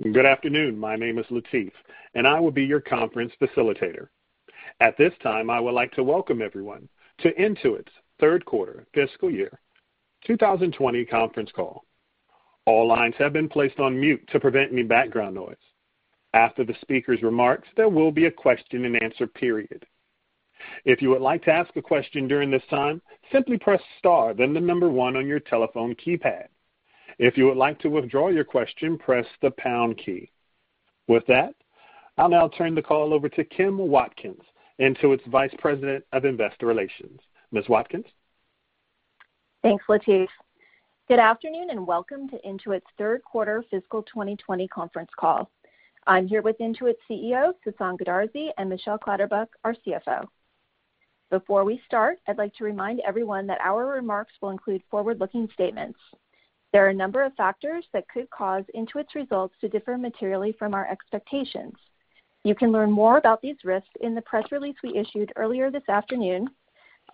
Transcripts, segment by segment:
Good afternoon. My name is Latif, I will be your conference facilitator. At this time, I would like to welcome everyone to Intuit's third quarter fiscal year 2020 conference call. All lines have been placed on mute to prevent any background noise. After the speaker's remarks, there will be a question and answer period. If you would like to ask a question during this time, simply press star then the number one on your telephone keypad. If you would like to withdraw your question, press the pound key. With that, I'll now turn the call over to Kim Watkins, Intuit's Vice President of Investor Relations. Ms. Watkins? Thanks, Latif. Good afternoon, and welcome to Intuit's third quarter fiscal 2020 conference call. I'm here with Intuit's CEO, Sasan Goodarzi, and Michelle Clatterbuck, our CFO. Before we start, I'd like to remind everyone that our remarks will include forward-looking statements. There are a number of factors that could cause Intuit's results to differ materially from our expectations. You can learn more about these risks in the press release we issued earlier this afternoon,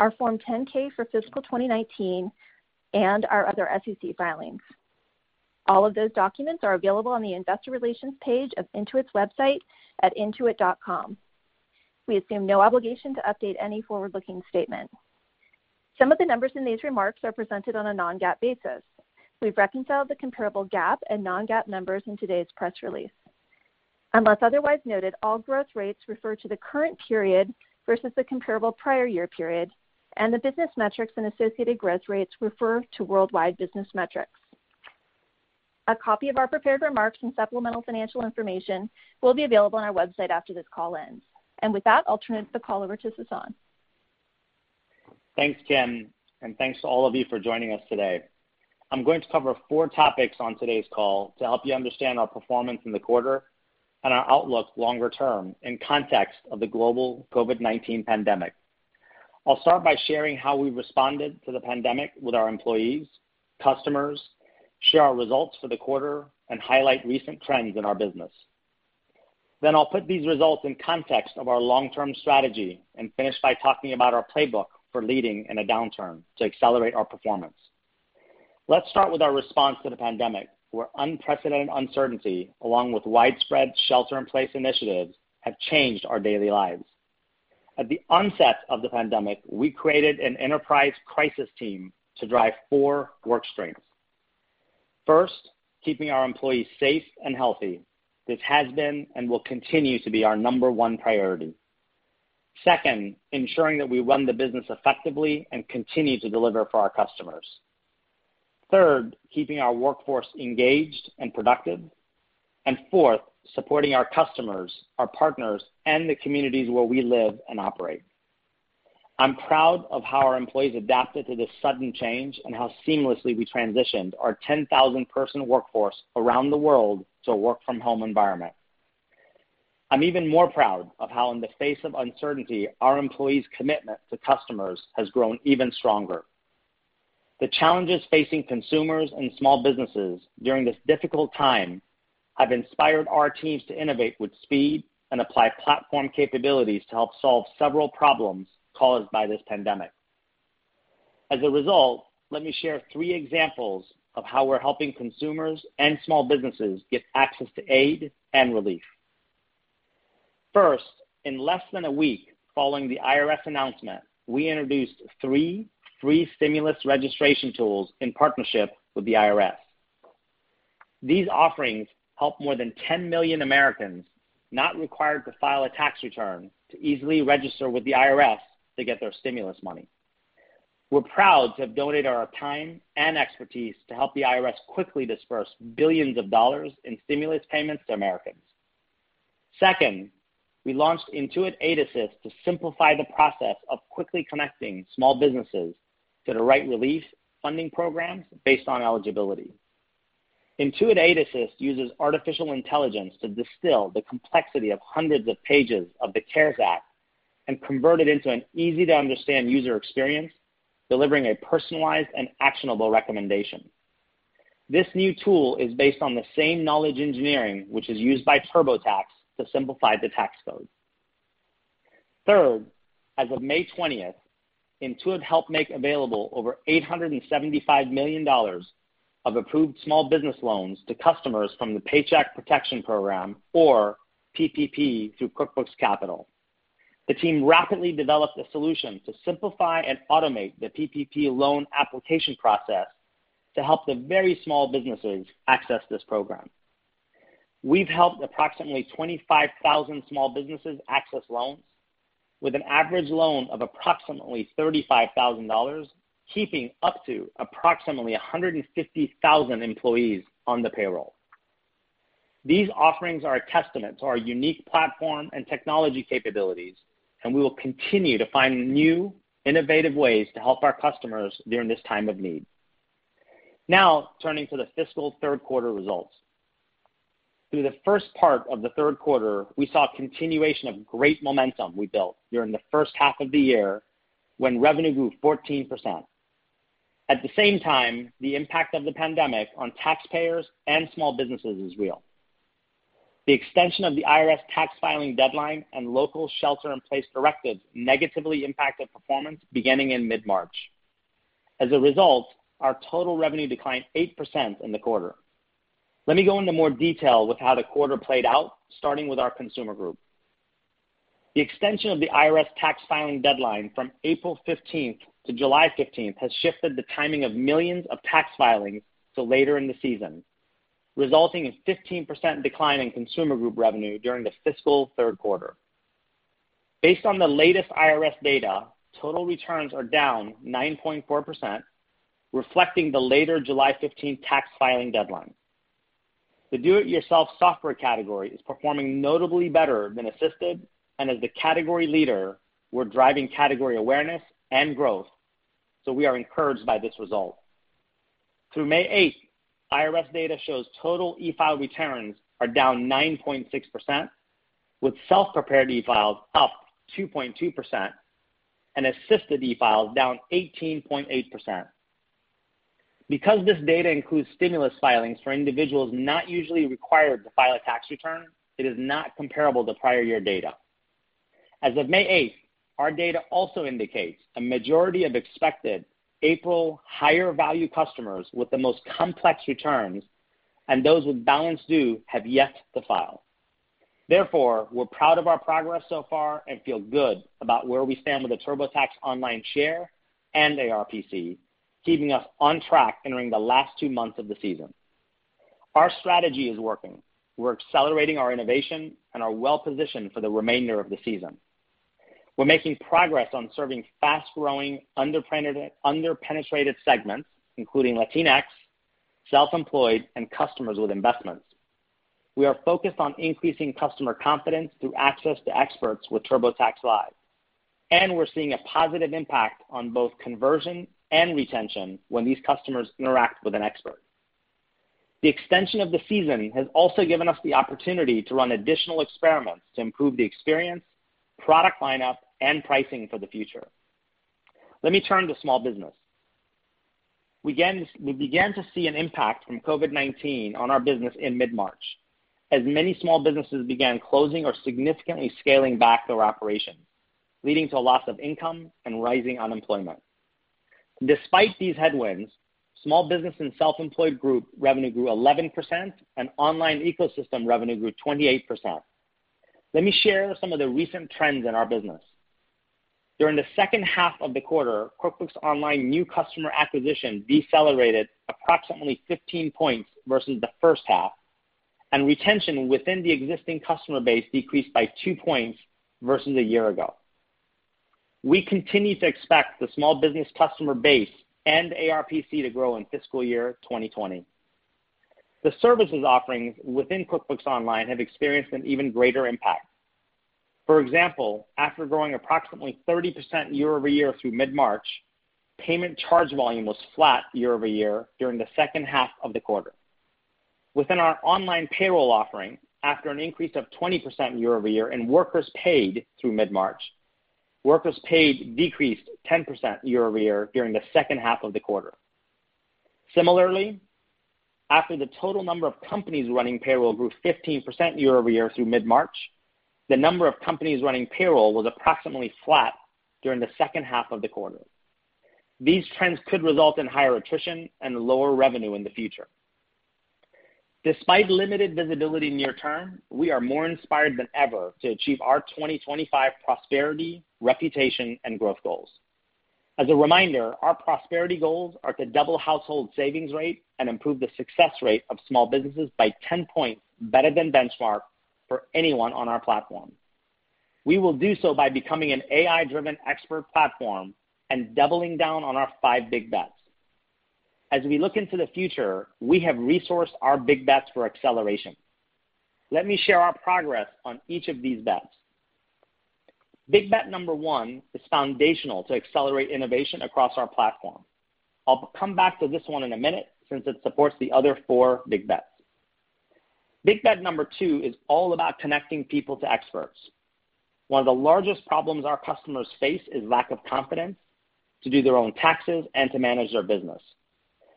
our Form 10-K, for fiscal 2019, and our other SEC filings. All of those documents are available on the investor relations page of Intuit's website at intuit.com. We assume no obligation to update any forward-looking statement. Some of the numbers in these remarks are presented on a non-GAAP basis. We've reconciled the comparable GAAP and non-GAAP numbers in today's press release. Unless otherwise noted, all growth rates refer to the current period versus the comparable prior year period, and the business metrics and associated growth rates refer to worldwide business metrics. A copy of our prepared remarks and supplemental financial information will be available on our website after this call ends. With that, I'll turn the call over to Sasan. Thanks, Kim, thanks to all of you for joining us today. I'm going to cover four topics on today's call to help you understand our performance in the quarter and our outlook longer term in context of the global COVID-19 pandemic. I'll start by sharing how we've responded to the pandemic with our employees, customers, share our results for the quarter, and highlight recent trends in our business. I'll put these results in context of our long-term strategy and finish by talking about our playbook for leading in a downturn to accelerate our performance. Let's start with our response to the pandemic, where unprecedented uncertainty along with widespread shelter-in-place initiatives have changed our daily lives. At the onset of the pandemic, we created an enterprise crisis team to drive four work streams. First, keeping our employees safe and healthy. This has been and will continue to be our number one priority. Second, ensuring that we run the business effectively and continue to deliver for our customers. Third, keeping our workforce engaged and productive. Fourth, supporting our customers, our partners, and the communities where we live and operate. I'm proud of how our employees adapted to this sudden change and how seamlessly we transitioned our 10,000-person workforce around the world to a work-from-home environment. I'm even more proud of how in the face of uncertainty, our employees' commitment to customers has grown even stronger. The challenges facing consumers and small businesses during this difficult time have inspired our teams to innovate with speed and apply platform capabilities to help solve several problems caused by this pandemic. As a result, let me share three examples of how we're helping consumers and small businesses get access to aid and relief. First, in less than a week following the IRS announcement, we introduced three free stimulus registration tools in partnership with the IRS. These offerings helped more than 10 million Americans not required to file a tax return to easily register with the IRS to get their stimulus money. We're proud to have donated our time and expertise to help the IRS quickly disperse billions of dollars in stimulus payments to Americans. Second, we launched Intuit Aid Assist to simplify the process of quickly connecting small businesses to the right relief funding programs based on eligibility. Intuit Aid Assist uses artificial intelligence to distill the complexity of hundreds of pages of the CARES Act and convert it into an easy-to-understand user experience, delivering a personalized and actionable recommendation. This new tool is based on the same knowledge engineering which is used by TurboTax to simplify the tax code. Third, as of May 20th, Intuit helped make available over $875 million of approved small business loans to customers from the Paycheck Protection Program, or PPP, through QuickBooks Capital. The team rapidly developed a solution to simplify and automate the PPP loan application process to help the very small businesses access this program. We've helped approximately 25,000 small businesses access loans with an average loan of approximately $35,000, keeping up to approximately 150,000 employees on the payroll. These offerings are a testament to our unique platform and technology capabilities, and we will continue to find new, innovative ways to help our customers during this time of need. Turning to the fiscal third quarter results. Through the first part of the third quarter, we saw a continuation of great momentum we built during the first half of the year when revenue grew 14%. At the same time, the impact of the pandemic on taxpayers and small businesses is real. The extension of the IRS tax filing deadline and local shelter-in-place directives negatively impacted performance beginning in mid-March. As a result, our total revenue declined 8% in the quarter. Let me go into more detail with how the quarter played out, starting with our consumer group. The extension of the IRS tax filing deadline from April 15th to July 15th has shifted the timing of millions of tax filings to later in the season, resulting in 15% decline in consumer group revenue during the fiscal third quarter. Based on the latest IRS data, total returns are down 9.4%, reflecting the later July 15th tax filing deadline. The do it yourself software category is performing notably better than assisted, and as the category leader, we're driving category awareness and growth, so we are encouraged by this result. Through May 8th, IRS data shows total e-file returns are down 9.6%, with self-prepared e-files up 2.2% and assisted e-files down 18.8%. Because this data includes stimulus filings for individuals not usually required to file a tax return, it is not comparable to prior year data. As of May 8th, our data also indicates a majority of expected April higher value customers with the most complex returns and those with balance due have yet to file. Therefore, we're proud of our progress so far and feel good about where we stand with the TurboTax Online share and ARPC, keeping us on track entering the last two months of the season. Our strategy is working. We're accelerating our innovation and are well-positioned for the remainder of the season. We're making progress on serving fast-growing, under-penetrated segments, including Latinx, self-employed, and customers with investments. We are focused on increasing customer confidence through access to experts with TurboTax Live, and we're seeing a positive impact on both conversion and retention when these customers interact with an expert. The extension of the season has also given us the opportunity to run additional experiments to improve the experience, product lineup, and pricing for the future. Let me turn to small business. We began to see an impact from COVID-19 on our business in mid-March, as many small businesses began closing or significantly scaling back their operations, leading to a loss of income and rising unemployment. Despite these headwinds, small business and self-employed group revenue grew 11%, and online ecosystem revenue grew 28%. Let me share some of the recent trends in our business. During the second half of the quarter, QuickBooks Online new customer acquisition decelerated approximately 15 points versus the first half, and retention within the existing customer base decreased by two points versus a year ago. We continue to expect the small business customer base and ARPC to grow in fiscal year 2020. The service offerings within QuickBooks Online have experienced an even greater impact. For example, after growing approximately 30% year-over-year through mid-March, payment charge volume was flat year-over-year during the second half of the quarter. Within our online payroll offering, after an increase of 20% year-over-year in workers paid through mid-March, workers paid decreased 10% year-over-year during the second half of the quarter. Similarly, after the total number of companies running payroll grew 15% year-over-year through mid-March, the number of companies running payroll was approximately flat during the second half of the quarter. These trends could result in higher attrition and lower revenue in the future. Despite limited visibility near term, we are more inspired than ever to achieve our 2025 prosperity, reputation, and growth goals. As a reminder, our prosperity goals are to double household savings rate and improve the success rate of small businesses by 10 points better than benchmark for anyone on our platform. We will do so by becoming an AI-driven expert platform and doubling down on our five big bets. As we look into the future, we have resourced our big bets for acceleration. Let me share our progress on each of these bets. Big bet number 1 is foundational to accelerate innovation across our platform. I'll come back to this one in a minute, since it supports the other four big bets. Big bet number two is all about connecting people to experts. One of the largest problems our customers face is lack of confidence to do their own taxes and to manage their business.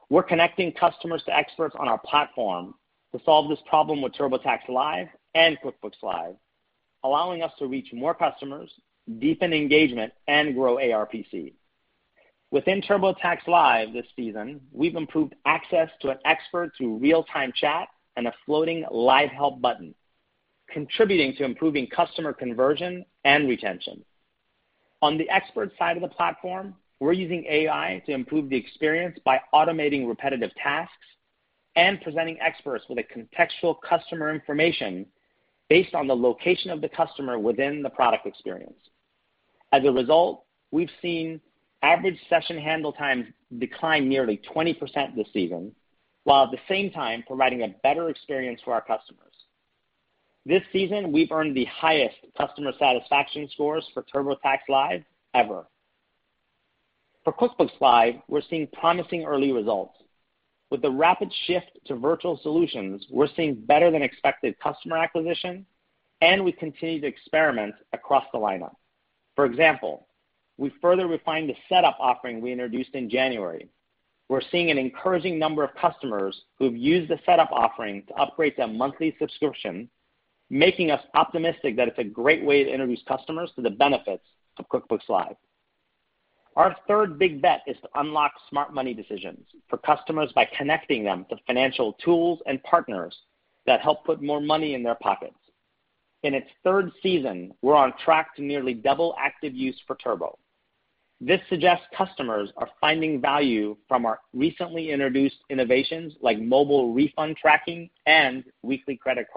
We're connecting customers to experts on our platform to solve this problem with TurboTax Live and QuickBooks Live, allowing us to reach more customers, deepen engagement, and grow ARPC. Within TurboTax Live this season, we've improved access to an expert through real-time chat and a floating live help button, contributing to improving customer conversion and retention. On the expert side of the platform, we're using AI to improve the experience by automating repetitive tasks and presenting experts with contextual customer information based on the location of the customer within the product experience. As a result, we've seen average session handle times decline nearly 20% this season, while at the same time providing a better experience for our customers. This season, we've earned the highest customer satisfaction scores for TurboTax Live ever. For QuickBooks Live, we're seeing promising early results. With the rapid shift to virtual solutions, we're seeing better-than-expected customer acquisition, and we continue to experiment across the lineup. For example, we further refined the setup offering we introduced in January. We're seeing an encouraging number of customers who've used the setup offering to upgrade to a monthly subscription, making us optimistic that it's a great way to introduce customers to the benefits of QuickBooks Live. Our third big bet is to unlock smart money decisions for customers by connecting them to financial tools and partners that help put more money in their pockets. In its third season, we're on track to nearly double active use for Turbo. This suggests customers are finding value from our recently introduced innovations like mobile refund tracking and weekly credit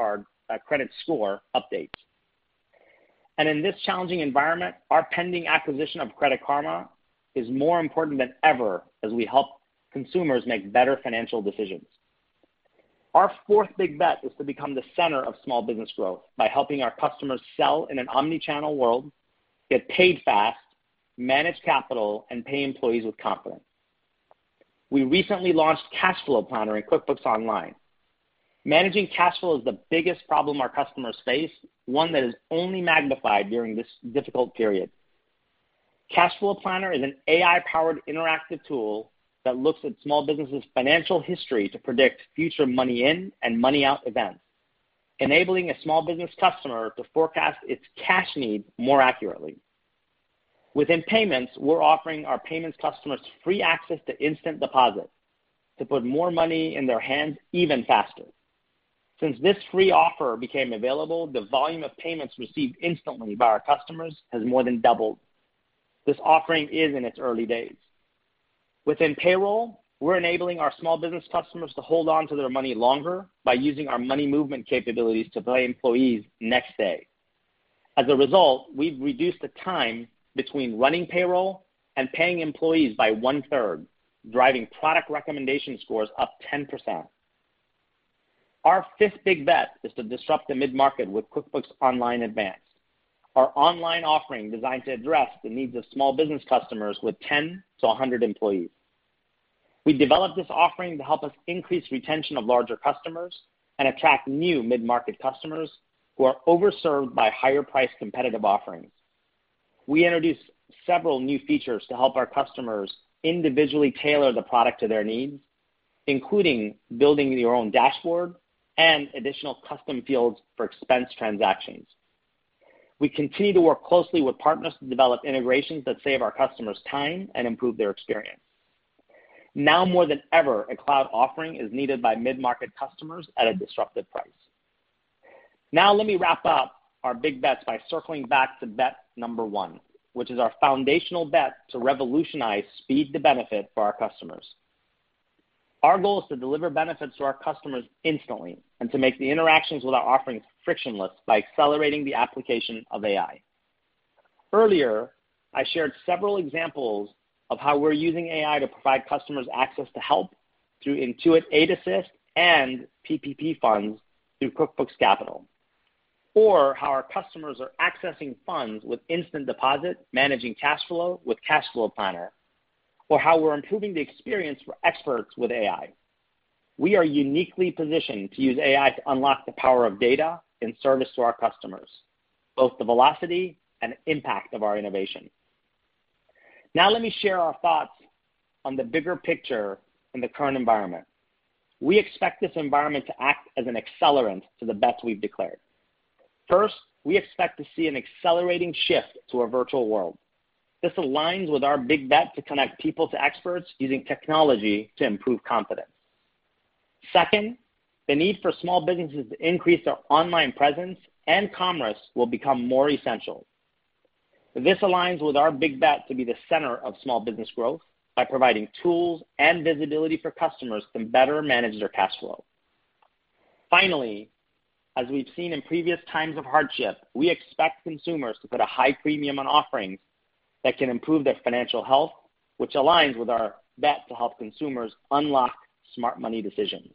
score updates. In this challenging environment, our pending acquisition of Credit Karma is more important than ever as we help consumers make better financial decisions. Our fourth big bet is to become the center of small business growth by helping our customers sell in an omni-channel world, get paid fast, manage capital, and pay employees with confidence. We recently launched Cash Flow Planner in QuickBooks Online. Managing cash flow is the biggest problem our customers face, one that is only magnified during this difficult period. Cash Flow Planner is an AI-powered interactive tool that looks at small businesses' financial history to predict future money in and money out events, enabling a small business customer to forecast its cash needs more accurately. Within payments, we're offering our payments customers free access to instant deposits to put more money in their hands even faster. Since this free offer became available, the volume of payments received instantly by our customers has more than doubled. This offering is in its early days. Within payroll, we're enabling our small business customers to hold on to their money longer by using our money movement capabilities to pay employees next day. As a result, we've reduced the time between running payroll and paying employees by one-third, driving product recommendation scores up 10%. Our fifth big bet is to disrupt the mid-market with QuickBooks Online Advanced, our online offering designed to address the needs of small business customers with 10 to 100 employees. We've developed this offering to help us increase retention of larger customers and attract new mid-market customers who are over-served by higher-priced competitive offerings. We introduced several new features to help our customers individually tailor the product to their needs, including building your own dashboard and additional custom fields for expense transactions. We continue to work closely with partners to develop integrations that save our customers time and improve their experience. Now more than ever, a cloud offering is needed by mid-market customers at a disruptive price. Now let me wrap up our big bets by circling back to bet number 1, which is our foundational bet to revolutionize speed to benefit for our customers. Our goal is to deliver benefits to our customers instantly, and to make the interactions with our offerings frictionless by accelerating the application of AI. Earlier, I shared several examples of how we're using AI to provide customers access to help through Intuit Aid Assist and PPP funds through QuickBooks Capital, or how our customers are accessing funds with instant deposit, managing cash flow with Cash Flow Planner, or how we're improving the experience for experts with AI. We are uniquely positioned to use AI to unlock the power of data in service to our customers, both the velocity and impact of our innovation. Now, let me share our thoughts on the bigger picture in the current environment. We expect this environment to act as an accelerant to the bets we've declared. First, we expect to see an accelerating shift to a virtual world. This aligns with our big bet to connect people to experts using technology to improve confidence. Second, the need for small businesses to increase their online presence and commerce will become more essential. This aligns with our big bet to be the center of small business growth by providing tools and visibility for customers to better manage their cash flow. Finally, as we've seen in previous times of hardship, we expect consumers to put a high premium on offerings that can improve their financial health, which aligns with our bet to help consumers unlock smart money decisions.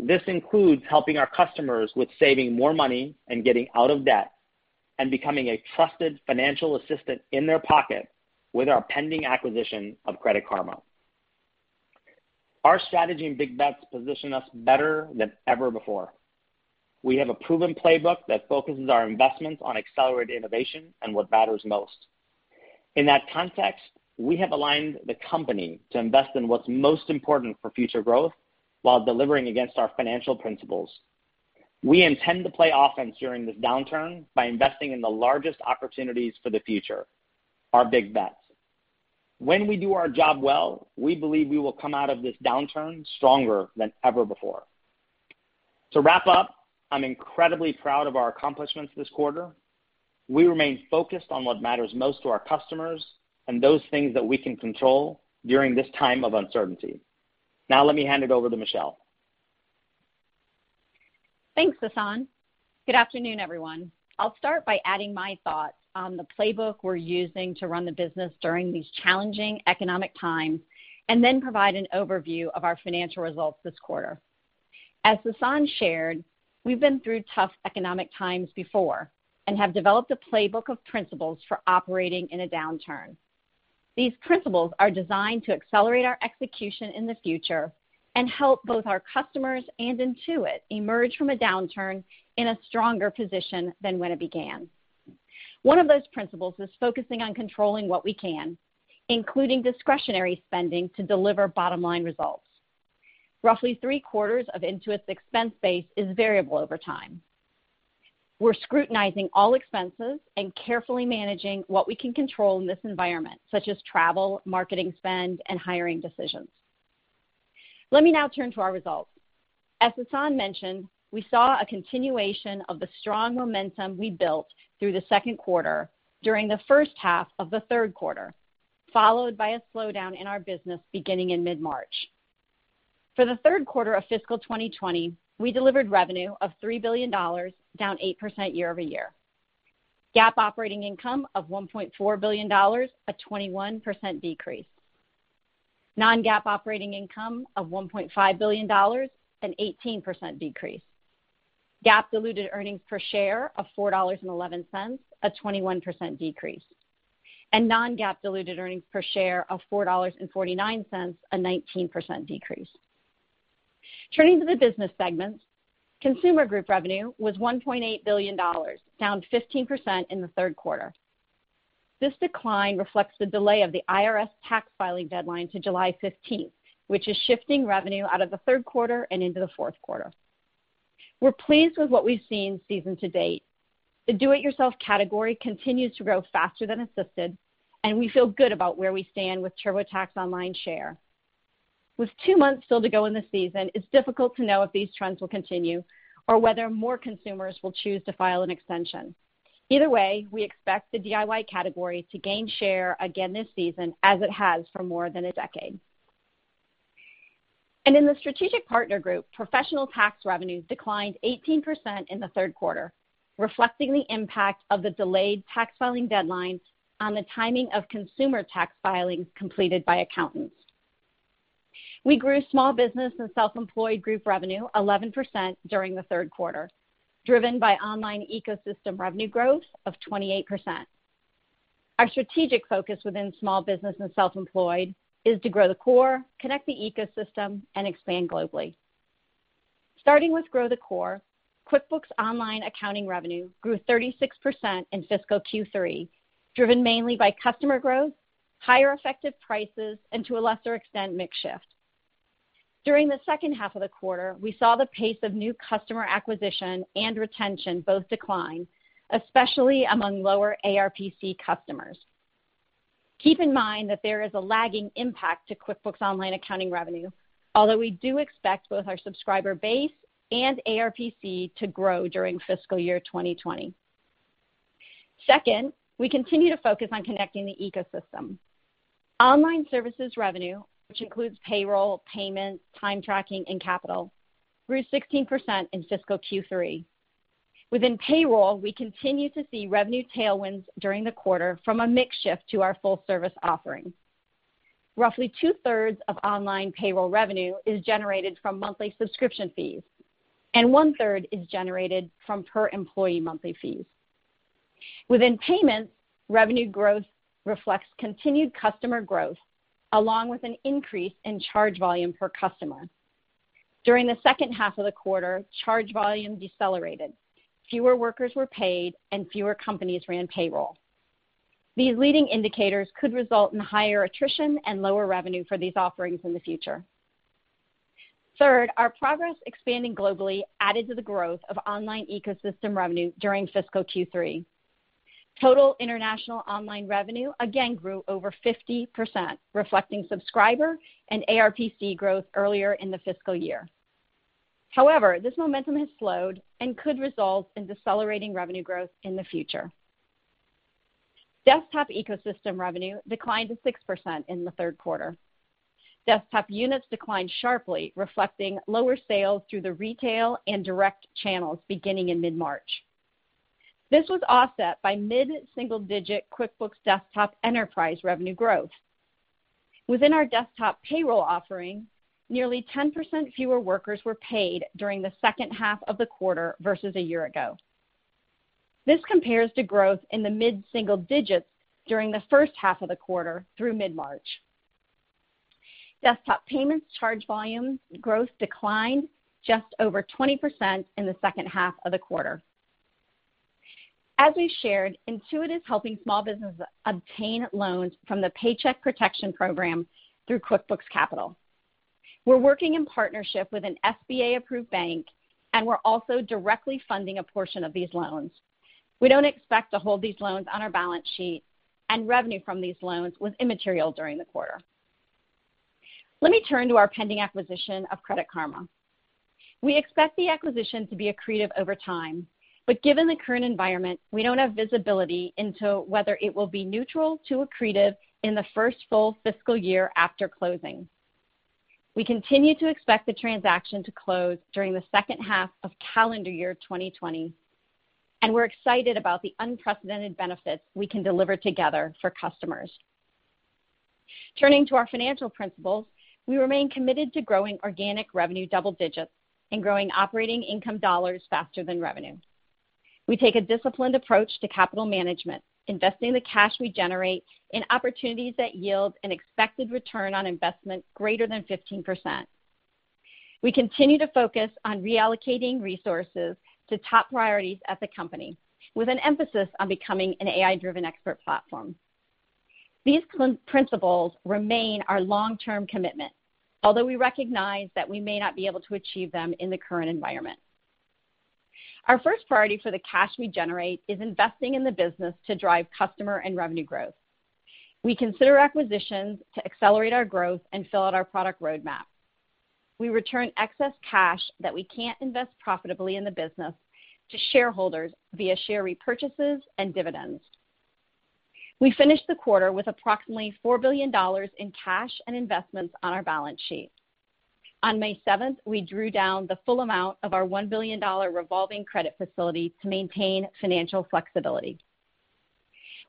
This includes helping our customers with saving more money and getting out of debt, and becoming a trusted financial assistant in their pocket with our pending acquisition of Credit Karma. Our strategy and big bets position us better than ever before. We have a proven playbook that focuses our investments on accelerated innovation and what matters most. In that context, we have aligned the company to invest in what's most important for future growth while delivering against our financial principles. We intend to play offense during this downturn by investing in the largest opportunities for the future, our big bets. When we do our job well, we believe we will come out of this downturn stronger than ever before. To wrap up, I'm incredibly proud of our accomplishments this quarter. We remain focused on what matters most to our customers and those things that we can control during this time of uncertainty. Let me hand it over to Michelle. Thanks, Sasan. Good afternoon, everyone. I'll start by adding my thoughts on the playbook we're using to run the business during these challenging economic times, and then provide an overview of our financial results this quarter. As Sasan shared, we've been through tough economic times before and have developed a playbook of principles for operating in a downturn. These principles are designed to accelerate our execution in the future and help both our customers and Intuit emerge from a downturn in a stronger position than when it began. One of those principles is focusing on controlling what we can, including discretionary spending to deliver bottom-line results. Roughly three-quarters of Intuit's expense base is variable over time. We're scrutinizing all expenses and carefully managing what we can control in this environment, such as travel, marketing spend, and hiring decisions. Let me now turn to our results. As Sasan mentioned, we saw a continuation of the strong momentum we built through the second quarter during the first half of the third quarter, followed by a slowdown in our business beginning in mid-March. For the third quarter of fiscal 2020, we delivered revenue of $3 billion, down 8% year-over-year. GAAP operating income of $1.4 billion, a 21% decrease. Non-GAAP operating income of $1.5 billion, an 18% decrease. GAAP diluted earnings per share of $4.11, a 21% decrease. Non-GAAP diluted earnings per share of $4.49, a 19% decrease. Turning to the business segments, consumer group revenue was $1.8 billion, down 15% in the third quarter. This decline reflects the delay of the IRS tax filing deadline to July 15th, which is shifting revenue out of the third quarter and into the fourth quarter. We're pleased with what we've seen season to date. The do-it-yourself category continues to grow faster than assisted, and we feel good about where we stand with TurboTax Online share. With two months still to go in the season, it's difficult to know if these trends will continue or whether more consumers will choose to file an extension. Either way, we expect the DIY category to gain share again this season, as it has for more than a decade. In the strategic partner group, professional tax revenues declined 18% in the third quarter, reflecting the impact of the delayed tax filing deadlines on the timing of consumer tax filings completed by accountants. We grew Small Business and Self-Employed Group revenue 11% during the third quarter, driven by Online Ecosystem revenue growth of 28%. Our strategic focus within Small Business and Self-Employed is to grow the core, connect the Ecosystem, and expand globally. Starting with grow the core, QuickBooks Online Accounting revenue grew 36% in fiscal Q3, driven mainly by customer growth, higher effective prices, and to a lesser extent, mix shift. During the second half of the quarter, we saw the pace of new customer acquisition and retention both decline, especially among lower ARPC customers. Keep in mind that there is a lagging impact to QuickBooks Online Accounting revenue, although we do expect both our subscriber base and ARPC to grow during fiscal year 2020. Second, we continue to focus on connecting the ecosystem. Online services revenue, which includes payroll, payments, time tracking, and capital, grew 16% in fiscal Q3. Within payroll, we continue to see revenue tailwinds during the quarter from a mix shift to our full-ervice offering. Roughly two-thirds of online payroll revenue is generated from monthly subscription fees, and one-third is generated from per-employee monthly fees. Within payments, revenue growth reflects continued customer growth, along with an increase in charge volume per customer. During the second half of the quarter, charge volume decelerated. Fewer workers were paid, and fewer companies ran payroll. These leading indicators could result in higher attrition and lower revenue for these offerings in the future. Third, our progress expanding globally added to the growth of online ecosystem revenue during fiscal Q3. Total international online revenue again grew over 50%, reflecting subscriber and ARPC growth earlier in the fiscal year. However, this momentum has slowed and could result in decelerating revenue growth in the future. Desktop ecosystem revenue declined to 6% in the third quarter. Desktop units declined sharply, reflecting lower sales through the retail and direct channels beginning in mid-March. This was offset by mid-single-digit QuickBooks Desktop Enterprise revenue growth. Within our Desktop Payroll offering, nearly 10% fewer workers were paid during the second half of the quarter versus a year ago. This compares to growth in the mid-single digits during the first half of the quarter through mid-March. Desktop payments charge volume growth declined just over 20% in the second half of the quarter. As we shared, Intuit is helping small businesses obtain loans from the Paycheck Protection Program through QuickBooks Capital. We're working in partnership with an SBA-approved bank, and we're also directly funding a portion of these loans. We don't expect to hold these loans on our balance sheet, and revenue from these loans was immaterial during the quarter. Let me turn to our pending acquisition of Credit Karma. We expect the acquisition to be accretive over time, but given the current environment, we don't have visibility into whether it will be neutral to accretive in the first full fiscal year after closing. We continue to expect the transaction to close during the second half of calendar year 2020, and we're excited about the unprecedented benefits we can deliver together for customers. Turning to our financial principles, we remain committed to growing organic revenue double digits and growing operating income dollars faster than revenue. We take a disciplined approach to capital management, investing the cash we generate in opportunities that yield an expected return on investment greater than 15%. We continue to focus on reallocating resources to top priorities at the company, with an emphasis on becoming an AI-driven expert platform. These principles remain our long-term commitment, although we recognize that we may not be able to achieve them in the current environment. Our first priority for the cash we generate is investing in the business to drive customer and revenue growth. We consider acquisitions to accelerate our growth and fill out our product roadmap. We return excess cash that we can't invest profitably in the business to shareholders via share repurchases and dividends. We finished the quarter with approximately $4 billion in cash and investments on our balance sheet. On May 7th, we drew down the full amount of our $1 billion revolving credit facility to maintain financial flexibility.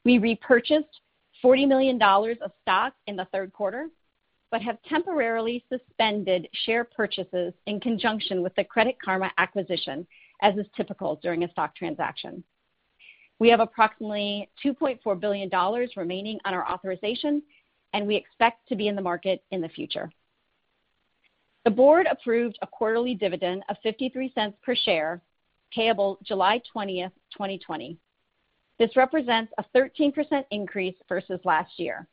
We repurchased $40 million of stock in the third quarter, but have temporarily suspended share purchases in conjunction with the Credit Karma acquisition, as is typical during a stock transaction. We have approximately $2.4 billion remaining on our authorization, and we expect to be in the market in the future. The board approved a quarterly dividend of $0.53 per share, payable July 20th, 2020. This represents a 13% increase versus last year.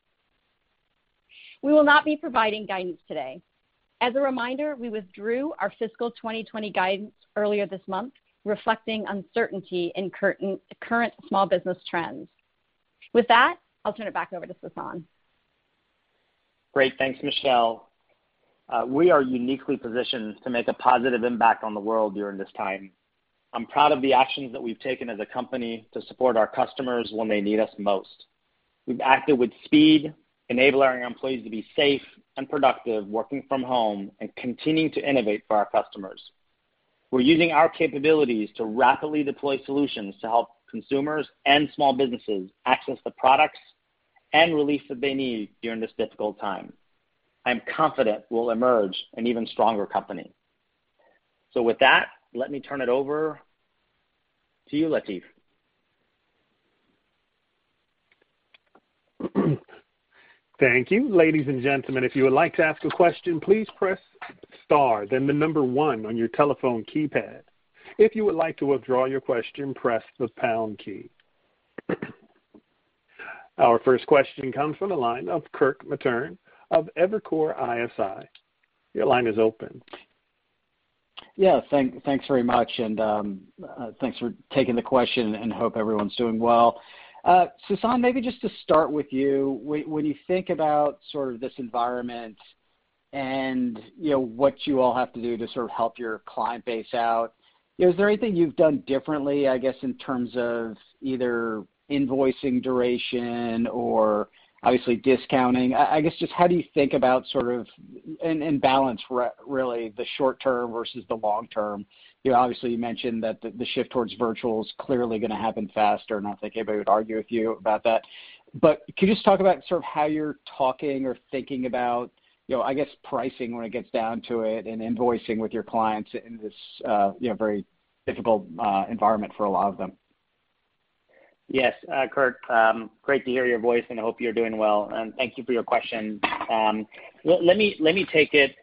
We will not be providing guidance today. As a reminder, we withdrew our fiscal 2020 guidance earlier this month, reflecting uncertainty in current small business trends. With that, I'll turn it back over to Sasan. Great. Thanks, Michelle. We are uniquely positioned to make a positive impact on the world during this time. I'm proud of the actions that we've taken as a company to support our customers when they need us most. We've acted with speed, enabling our employees to be safe and productive working from home and continuing to innovate for our customers. We're using our capabilities to rapidly deploy solutions to help consumers and small businesses access the products and relief that they need during this difficult time. I am confident we'll emerge an even stronger company. With that, let me turn it over to you, Latif. Thank you. Ladies and gentlemen, if you would like to ask a question, please press star then the number one on your telephone keypad. If you would like to withdraw your question, press the pound key. Our first question comes from the line of Kirk Materne of Evercore ISI. Your line is open. Yeah, thanks very much. Thanks for taking the question, and hope everyone's doing well. Sasan, maybe just to start with you, when you think about this environment and what you all have to do to help your client base out, is there anything you've done differently, I guess, in terms of either invoicing duration or obviously discounting? I guess, just how do you think about and balance, really, the short term versus the long term? Obviously, you mentioned that the shift towards virtual is clearly going to happen faster, and I don't think anybody would argue with you about that. Could you just talk about how you're talking or thinking about, I guess, pricing when it gets down to it and invoicing with your clients in this very difficult environment for a lot of them? Yes, Kirk. Great to hear your voice. I hope you're doing well. Thank you for your question. Let me take it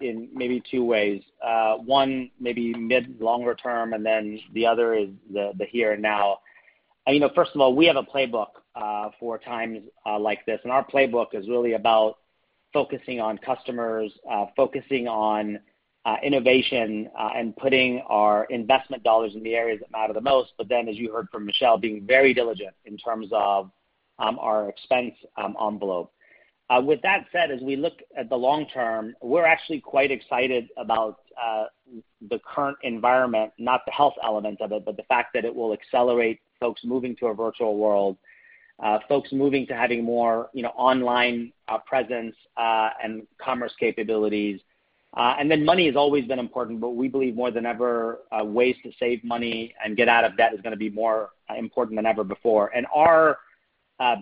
in maybe two ways. One, maybe mid, longer term. The other is the here and now. First of all, we have a playbook for times like this. Our playbook is really about focusing on customers, focusing on innovation, and putting our investment dollars in the areas that matter the most. As you heard from Michelle, being very diligent in terms of our expense envelope. With that said, as we look at the long term, we're actually quite excited about the current environment, not the health element of it, but the fact that it will accelerate folks moving to a virtual world, folks moving to having more online presence and commerce capabilities. Money has always been important, but we believe more than ever, ways to save money and get out of debt is going to be more important than ever before. Our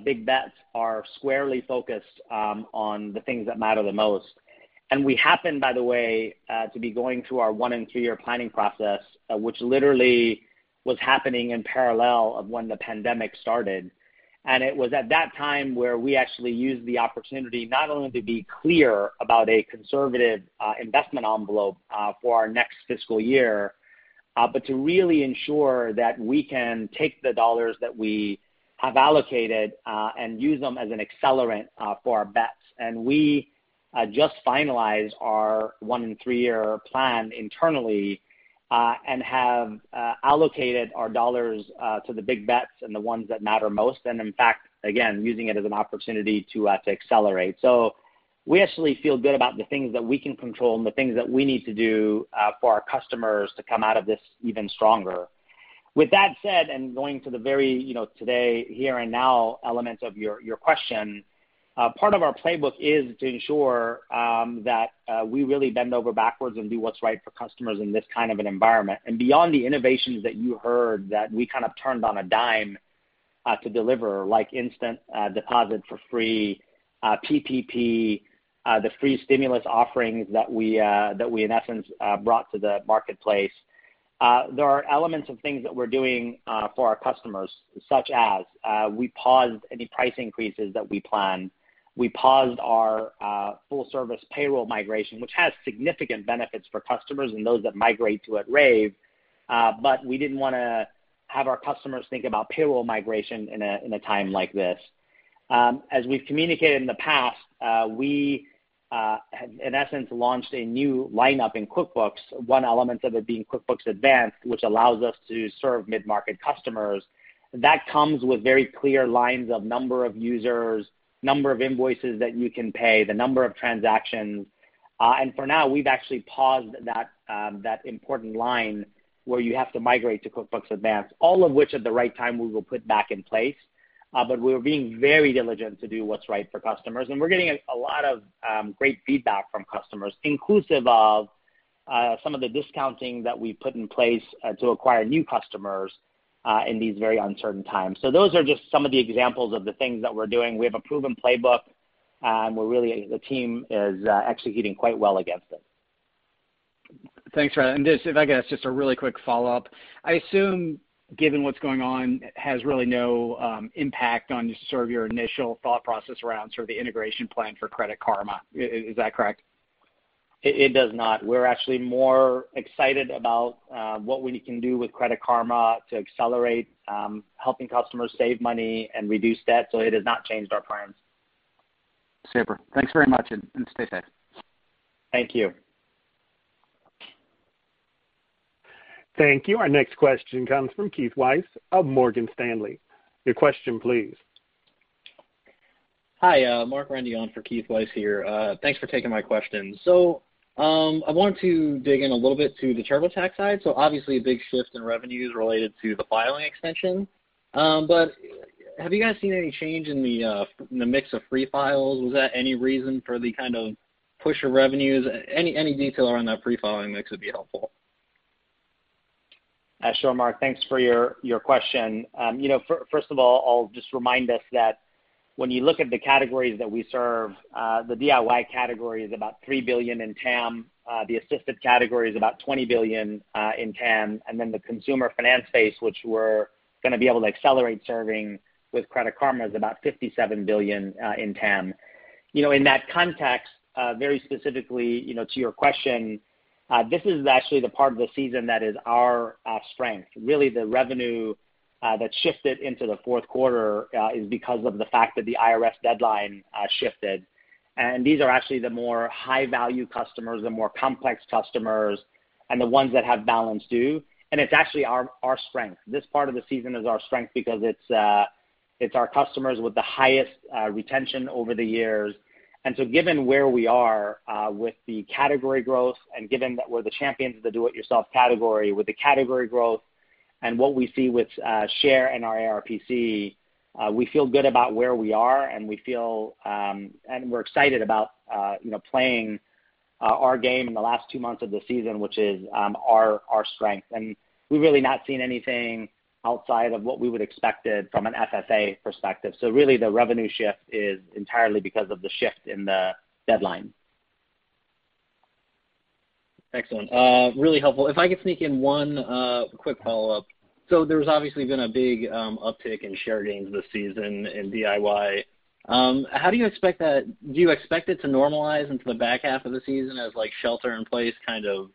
big bets are squarely focused on the things that matter the most. We happen, by the way, to be going through our one and three-year planning process, which literally was happening in parallel of when the pandemic started. It was at that time where we actually used the opportunity not only to be clear about a conservative investment envelope for our next fiscal year, but to really ensure that we can take the dollars that we have allocated and use them as an accelerant for our bets. We just finalized our one and three-year plan internally, and have allocated our dollars to the big bets and the ones that matter most. In fact, again, using it as an opportunity to accelerate. We actually feel good about the things that we can control and the things that we need to do for our customers to come out of this even stronger. With that said, going to the very today, here and now elements of your question, part of our playbook is to ensure that we really bend over backwards and do what's right for customers in this kind of an environment. Beyond the innovations that you heard that we kind of turned on a dime to deliver, like instant deposit for free, PPP, the free stimulus offerings that we, in essence, brought to the marketplace. There are elements of things that we're doing for our customers, such as we paused any price increases that we planned. We paused our full-service payroll migration, which has significant benefits for customers and those that migrate to it rave. We didn't want to have our customers think about payroll migration in a time like this. As we've communicated in the past, we have, in essence, launched a new lineup in QuickBooks, one element of it being QuickBooks Advanced, which allows us to serve mid-market customers. That comes with very clear lines of number of users, number of invoices that you can pay, the number of transactions. For now, we've actually paused that important line where you have to migrate to QuickBooks Advanced, all of which at the right time we will put back in place. We're being very diligent to do what's right for customers, and we're getting a lot of great feedback from customers, inclusive of some of the discounting that we put in place to acquire new customers in these very uncertain times. Those are just some of the examples of the things that we're doing. We have a proven playbook, and the team is executing quite well against it. Thanks, Brad. If I could ask just a really quick follow-up. I assume, given what's going on, it has really no impact on your initial thought process around the integration plan for Credit Karma. Is that correct? It does not. We're actually more excited about what we can do with Credit Karma to accelerate helping customers save money and reduce debt, so it has not changed our plans. Super. Thanks very much, and stay safe. Thank you. Thank you. Our next question comes from Keith Weiss of Morgan Stanley. Your question please. Hi, Mark Rende for Keith Weiss here. Thanks for taking my question. I want to dig in a little bit to the TurboTax side. Obviously a big shift in revenues related to the filing extension. Have you guys seen any change in the mix of free files? Was that any reason for the kind of push of revenues? Any detail around that free filing mix would be helpful. Sure, Mark. Thanks for your question. First of all, I'll just remind us that when you look at the categories that we serve, the DIY category is about $3 billion in TAM, the assisted category is about $20 billion in TAM, the consumer finance space, which we're going to be able to accelerate serving with Credit Karma, is about $57 billion in TAM. In that context, very specifically to your question, this is actually the part of the season that is our strength. Really the revenue that shifted into the fourth quarter is because of the fact that the IRS deadline shifted. These are actually the more high-value customers, the more complex customers, and the ones that have balance due, and it's actually our strength. This part of the season is our strength because it's our customers with the highest retention over the years. Given where we are with the category growth and given that we're the champions of the do-it-yourself category with the category growth and what we see with Share and our ARPC, we feel good about where we are, and we're excited about playing our game in the last two months of the season, which is our strength. We've really not seen anything outside of what we would expected from an SSA perspective. Really, the revenue shift is entirely because of the shift in the deadline. Excellent. Really helpful. If I could sneak in one quick follow-up. There's obviously been a big uptick in share gains this season in DIY. Do you expect it to normalize into the back half of the season as shelter in place kind of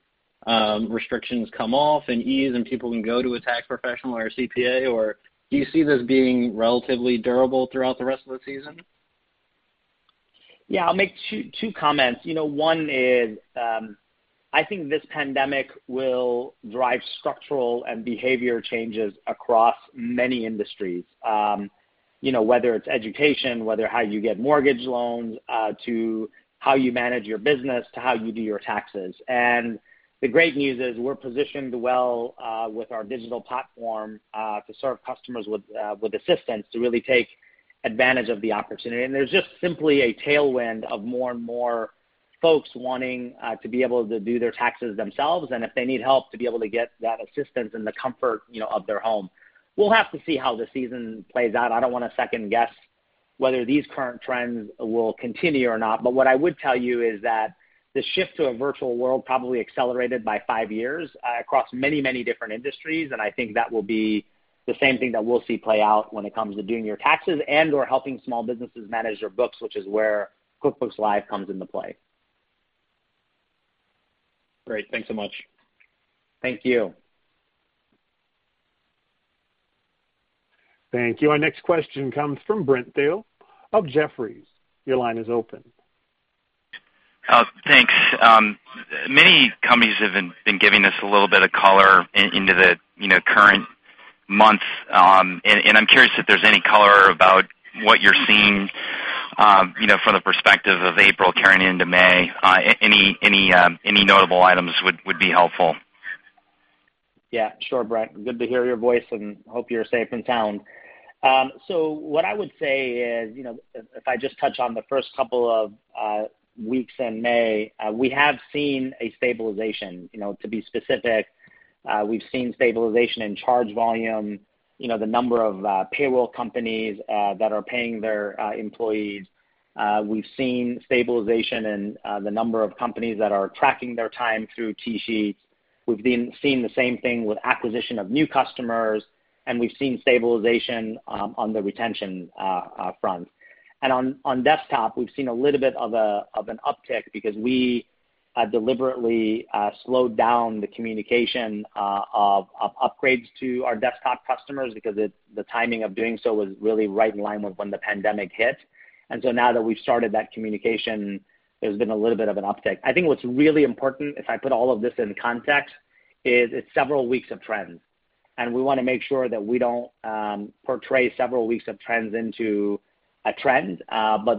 restrictions come off and ease and people can go to a tax professional or a CPA, or do you see this being relatively durable throughout the rest of the season? Yeah. I'll make two comments. One is I think this pandemic will drive structural and behavior changes across many industries. Whether it's education, whether how you get mortgage loans, to how you manage your business, to how you do your taxes. The great news is we're positioned well with our digital platform to serve customers with assistance to really take advantage of the opportunity. There's just simply a tailwind of more and more folks wanting to be able to do their taxes themselves, and if they need help, to be able to get that assistance in the comfort of their home. We'll have to see how the season plays out. I don't want to second guess whether these current trends will continue or not, but what I would tell you is that the shift to a virtual world probably accelerated by five years across many, many different industries, and I think that will be the same thing that we'll see play out when it comes to doing your taxes and/or helping small businesses manage their books, which is where QuickBooks Live comes into play. Great. Thanks so much. Thank you. Thank you. Our next question comes from Brent Thill of Jefferies. Your line is open. Thanks. Many companies have been giving us a little bit of color in the current months, and I'm curious if there's any color about what you're seeing from the perspective of April carrying into May? Any notable items would be helpful. Yeah. Sure, Brent. Good to hear your voice, hope you're safe and sound. What I would say is, if I just touch on the first couple of weeks in May, we have seen a stabilization. To be specific, we've seen stabilization in charge volume, the number of payroll companies that are paying their employees. We've seen stabilization in the number of companies that are tracking their time through TSheets. We've been seeing the same thing with acquisition of new customers. We've seen stabilization on the retention front. On desktop, we've seen a little bit of an uptick because we deliberately slowed down the communication of upgrades to our desktop customers because the timing of doing so was really right in line with when the pandemic hit. Now that we've started that communication, there's been a little bit of an uptick. I think what's really important, if I put all of this in context, is it's several weeks of trends. We want to make sure that we don't portray several weeks of trends into a trend.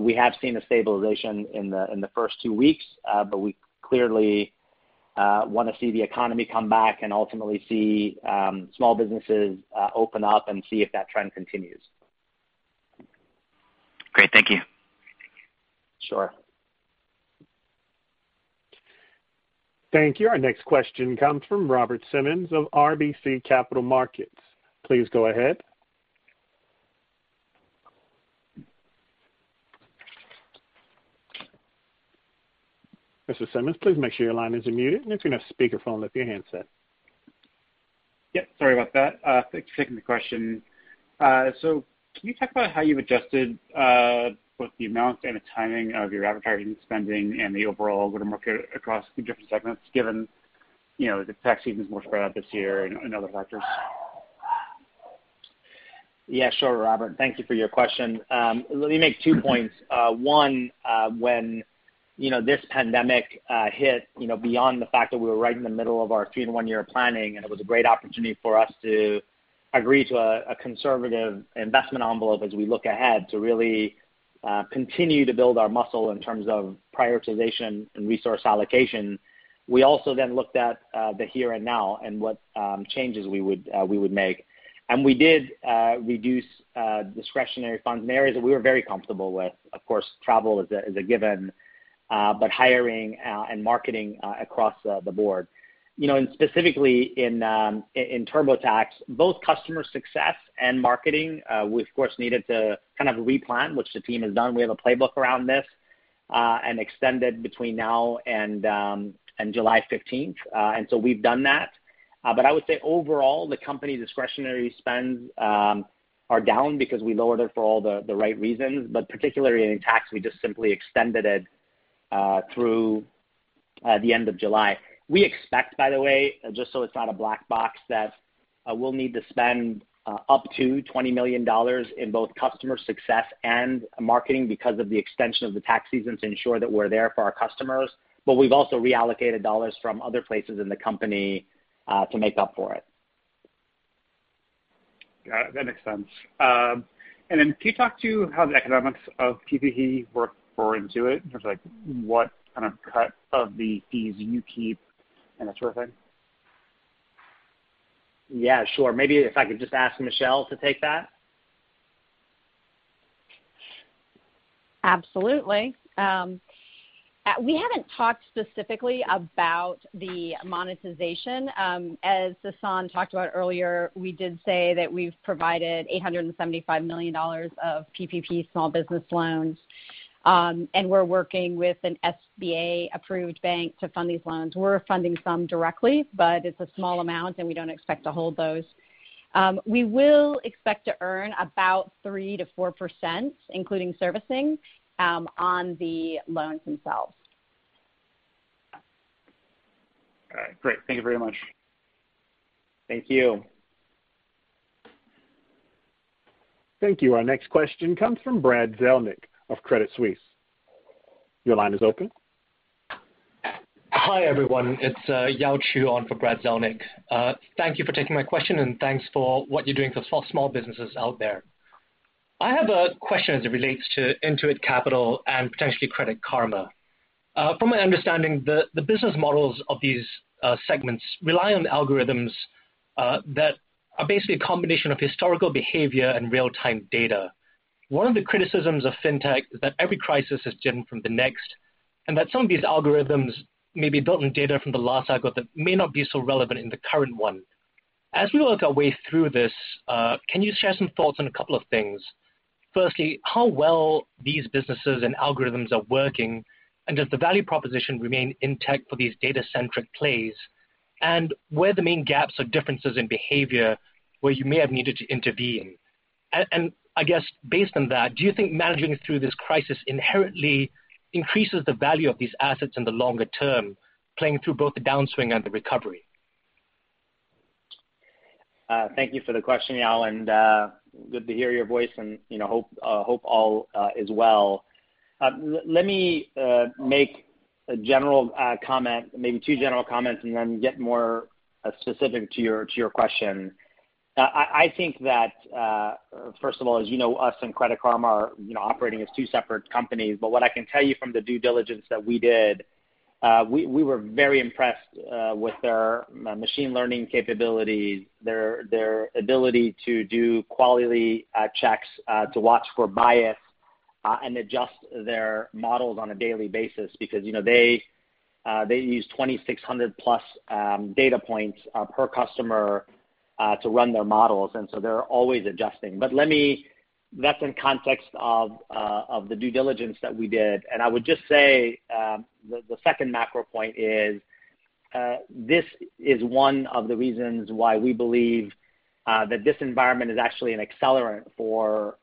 We have seen a stabilization in the first two weeks. We clearly want to see the economy come back and ultimately see small businesses open up and see if that trend continues. Great. Thank you. Sure. Thank you. Our next question comes from Robert Simmons of RBC Capital Markets. Please go ahead. Mr. Simmons, please make sure your line is unmuted and that you're on speakerphone with your handset. Yep, sorry about that. Thanks for taking the question. Can you talk about how you've adjusted both the amount and the timing of your advertising spending and the overall go-to-market across the different segments, given the tax season's more spread out this year and other factors? Yeah, sure, Robert. Thank you for your question. Let me make two points. One, when this pandemic hit, beyond the fact that we were right in the middle of our three-in-one year planning, and it was a great opportunity for us to agree to a conservative investment envelope as we look ahead to really continue to build our muscle in terms of prioritization and resource allocation. We also then looked at the here and now and what changes we would make. We did reduce discretionary funds in areas that we were very comfortable with. Of course, travel is a given, but hiring and marketing are across the board. Specifically in TurboTax, both customer success and marketing, we, of course, needed to kind of replan, which the team has done. We have a playbook around this, and extended between now and July 15th. We've done that. I would say overall, the company's discretionary spends are down because we lowered it for all the right reasons, particularly in tax, we just simply extended it through the end of July. We expect, by the way, just so it's not a black box, that we'll need to spend up to $20 million in both customer success and marketing because of the extension of the tax season to ensure that we're there for our customers. We've also reallocated dollars from other places in the company to make up for it. Got it. That makes sense. Can you talk to how the economics of PPP work for Intuit in terms of what kind of cut of the fees you keep and that sort of thing? Yeah, sure. Maybe if I could just ask Michelle to take that. Absolutely. We haven't talked specifically about the monetization. As Sasan talked about earlier, we did say that we've provided $875 million of PPP small business loans. We're working with an SBA-approved bank to fund these loans. We're funding some directly, but it's a small amount, and we don't expect to hold those. We will expect to earn about 3%-4%, including servicing, on the loans themselves. All right, great. Thank you very much. Thank you. Thank you. Our next question comes from Brad Zelnick of Credit Suisse. Your line is open. Hi, everyone. It's Yaoxian Chew on for Brad Zelnick. Thank you for taking my question, and thanks for what you're doing for small businesses out there. I have a question as it relates to QuickBooks Capital and potentially Credit Karma. From my understanding, the business models of these segments rely on algorithms that are basically a combination of historical behavior and real-time data. One of the criticisms of fintech is that every crisis is different from the next, and that some of these algorithms may be built on data from the last cycle that may not be so relevant in the current one. As we work our way through this, can you share some thoughts on a couple of things? Firstly, how well these businesses and algorithms are working, and does the value proposition remain intact for these data-centric plays? Where are the main gaps or differences in behavior where you may have needed to intervene? I guess based on that, do you think managing through this crisis inherently increases the value of these assets in the longer term, playing through both the downswing and the recovery? Thank you for the question, Yaoxian, and good to hear your voice, and hope all is well. Let me make a general comment, maybe two general comments, and then get more specific to your question. I think that, first of all, as you know, us and Credit Karma are operating as two separate companies. What I can tell you from the due diligence that we did, we were very impressed with their machine learning capabilities, their ability to do quality checks, to watch for bias, and adjust their models on a daily basis because they use 2,600-plus data points per customer to run their models. They're always adjusting. That's in context of the due diligence that we did. I would just say the second macro point is. This is one of the reasons why we believe that this environment is actually an accelerant for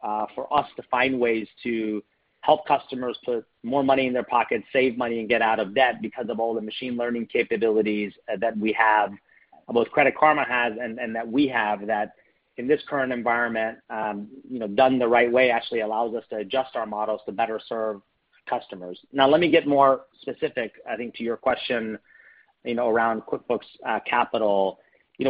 us to find ways to help customers put more money in their pockets, save money, and get out of debt because of all the machine learning capabilities that both Credit Karma has and that we have that, in this current environment, done the right way, actually allows us to adjust our models to better serve customers. Let me get more specific, I think to your question around QuickBooks Capital. This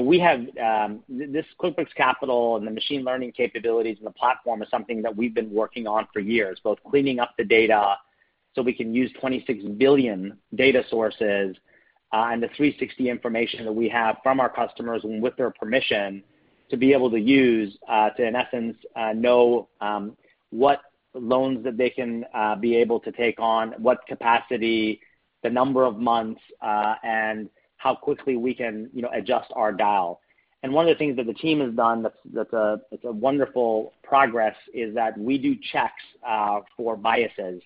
QuickBooks Capital and the machine learning capabilities and the platform is something that we've been working on for years, both cleaning up the data so we can use 26 billion data sources, and the 360 information that we have from our customers and with their permission to be able to use to, in essence, know what loans that they can be able to take on, what capacity, the number of months, and how quickly we can adjust our dial. One of the things that the team has done that's a wonderful progress is that we do checks for biases.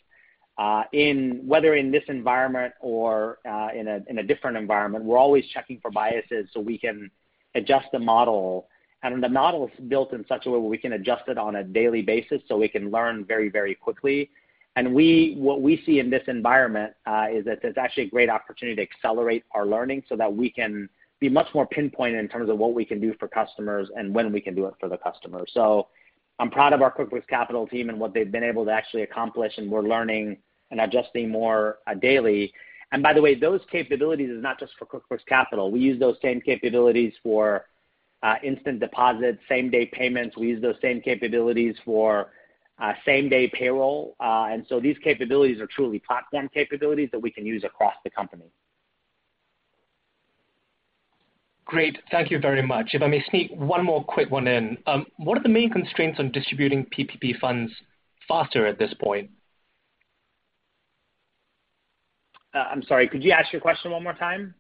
Whether in this environment or in a different environment, we're always checking for biases so we can adjust the model. The model is built in such a way where we can adjust it on a daily basis so we can learn very, very quickly. What we see in this environment is that there's actually a great opportunity to accelerate our learning so that we can be much more pinpointed in terms of what we can do for customers and when we can do it for the customer. I'm proud of our QuickBooks Capital team and what they've been able to actually accomplish, and we're learning and adjusting more daily. By the way, those capabilities is not just for QuickBooks Capital. We use those same capabilities for instant deposits, same-day payments. We use those same capabilities for same-day payroll. These capabilities are truly platform capabilities that we can use across the company. Great. Thank you very much. If I may sneak one more quick one in. What are the main constraints on distributing PPP funds faster at this point? I'm sorry, could you ask your question one more time?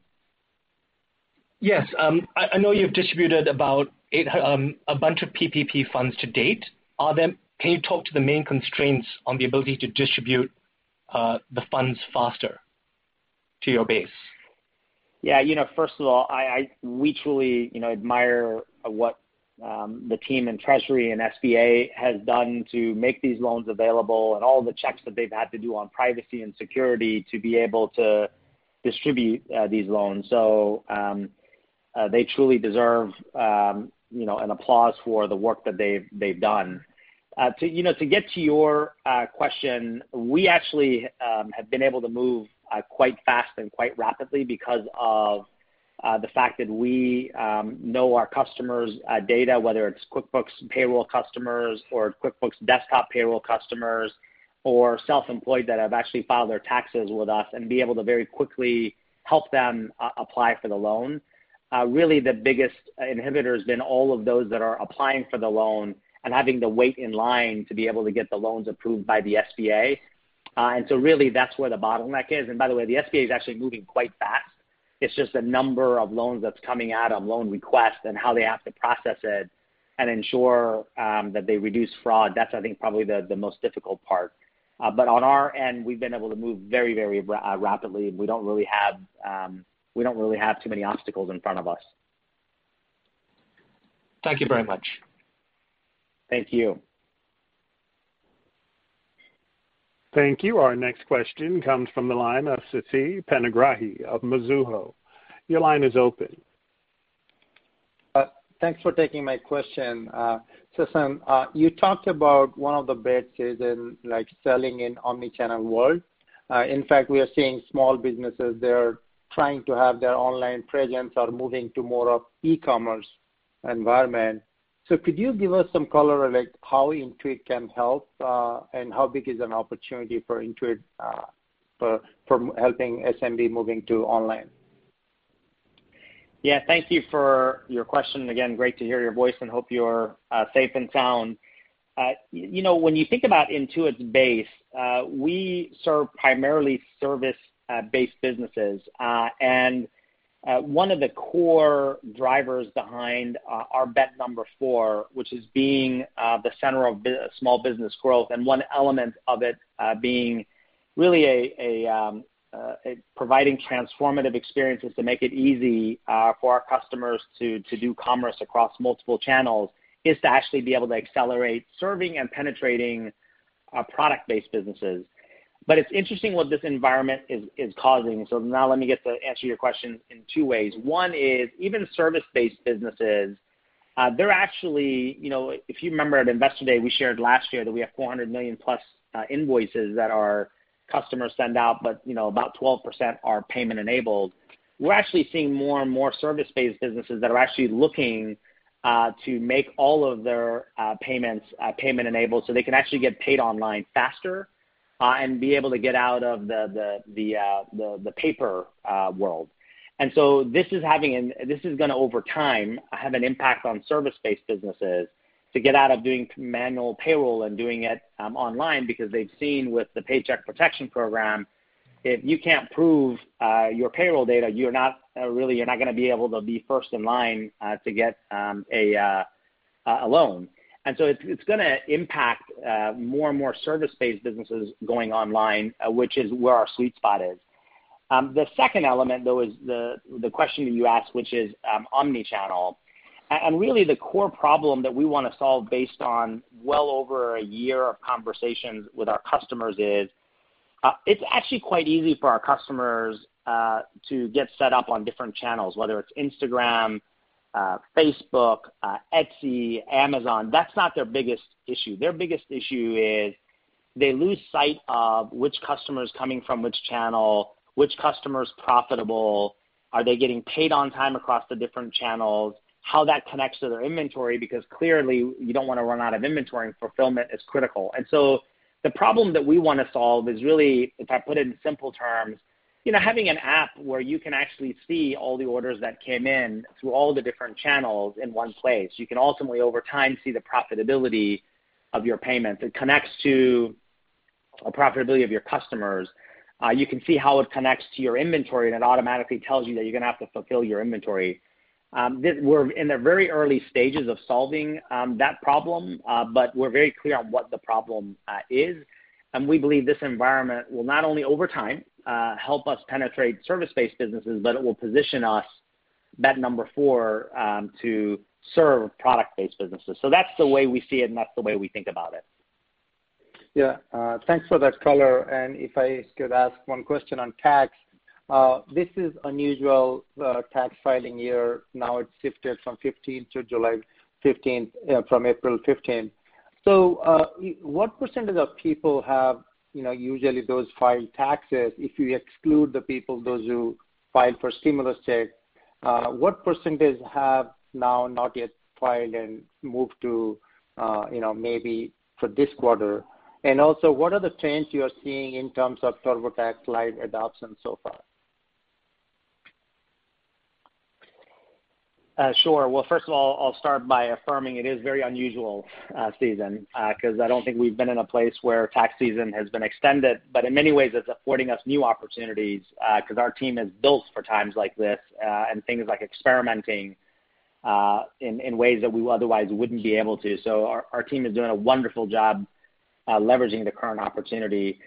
Yes. I know you've distributed about a bunch of PPP funds to date. Can you talk to the main constraints on the ability to distribute the funds faster to your base? First of all, we truly admire what the team in Treasury and SBA has done to make these loans available, and all the checks that they've had to do on privacy and security to be able to distribute these loans. They truly deserve applause for the work that they've done. To get to your question, we actually have been able to move quite fast and quite rapidly because of the fact that we know our customers' data, whether it's QuickBooks Payroll customers or QuickBooks Desktop Payroll customers, or self-employed that have actually filed their taxes with us and be able to very quickly help them apply for the loan. Really, the biggest inhibitor has been all of those that are applying for the loan and having to wait in line to be able to get the loans approved by the SBA. Really that's where the bottleneck is. By the way, the SBA is actually moving quite fast. It's just the number of loans that's coming out on loan requests and how they have to process it and ensure that they reduce fraud. That's, I think, probably the most difficult part. On our end, we've been able to move very, very rapidly, and we don't really have too many obstacles in front of us. Thank you very much. Thank you. Thank you. Our next question comes from the line of Siti Panigrahi of Mizuho. Your line is open. Thanks for taking my question. Sasan, you talked about one of the best is in selling in omnichannel world. In fact, we are seeing small businesses they're trying to have their online presence or moving to more of e-commerce environment. Could you give us some color on how Intuit can help, and how big is an opportunity for Intuit from helping SMB moving to online? Yeah. Thank you for your question, and again, great to hear your voice, and hope you're safe and sound. When you think about Intuit's base, we serve primarily service-based businesses. One of the core drivers behind our bet number four, which is being the center of small business growth, and one element of it being really providing transformative experiences to make it easy for our customers to do commerce across multiple channels, is to actually be able to accelerate serving and penetrating product-based businesses. It's interesting what this environment is causing. Now, let me get to answer your question in two ways. One is, even service-based businesses, if you remember at Investor Day, we shared last year that we have 400 million plus invoices that our customers send out, but about 12% are payment-enabled. We're actually seeing more and more service-based businesses that are actually looking to make all of their payments payment-enabled, so they can actually get paid online faster and be able to get out of the paper world. This is going to, over time, have an impact on service-based businesses to get out of doing manual payroll and doing it online because they've seen with the Paycheck Protection Program, if you can't prove your payroll data, you're not going to be able to be first in line to get a loan. It's going to impact more and more service-based businesses going online, which is where our sweet spot is. The second element, though, is the question that you asked, which is omnichannel. Really, the core problem that we want to solve based on well over a year of conversations with our customers is, it's actually quite easy for our customers to get set up on different channels, whether it's Instagram, Facebook, Etsy, Amazon. That's not their biggest issue. Their biggest issue is they lose sight of which customer is coming from which channel, which customer's profitable, are they getting paid on time across the different channels, how that connects to their inventory, because clearly you don't want to run out of inventory, and fulfillment is critical. So the problem that we want to solve is really, if I put it in simple terms, having an app where you can actually see all the orders that came in through all the different channels in one place. You can ultimately over time see the profitability of your payments. It connects to profitability of your customers. You can see how it connects to your inventory, and it automatically tells you that you're going to have to fulfill your inventory. We're in the very early stages of solving that problem, but we're very clear on what the problem is, and we believe this environment will not only over time help us penetrate service-based businesses, but it will position us, number four, to serve product-based businesses. That's the way we see it, and that's the way we think about it. Yeah. Thanks for that color. If I could ask one question on tax. This is unusual tax filing year. Now it's shifted from 15th to July 15, from April 15. What percentage of people have usually those file taxes, if you exclude the people, those who filed for stimulus check, what percentage have now not yet filed and moved to maybe for this quarter? Also, what are the trends you are seeing in terms of TurboTax Live adoption so far? Sure. Well, first of all, I'll start by affirming it is very unusual season, because I don't think we've been in a place where tax season has been extended. In many ways, it's affording us new opportunities because our team is built for times like this, and things like experimenting in ways that we otherwise wouldn't be able to. Our team is doing a wonderful job leveraging the current opportunity.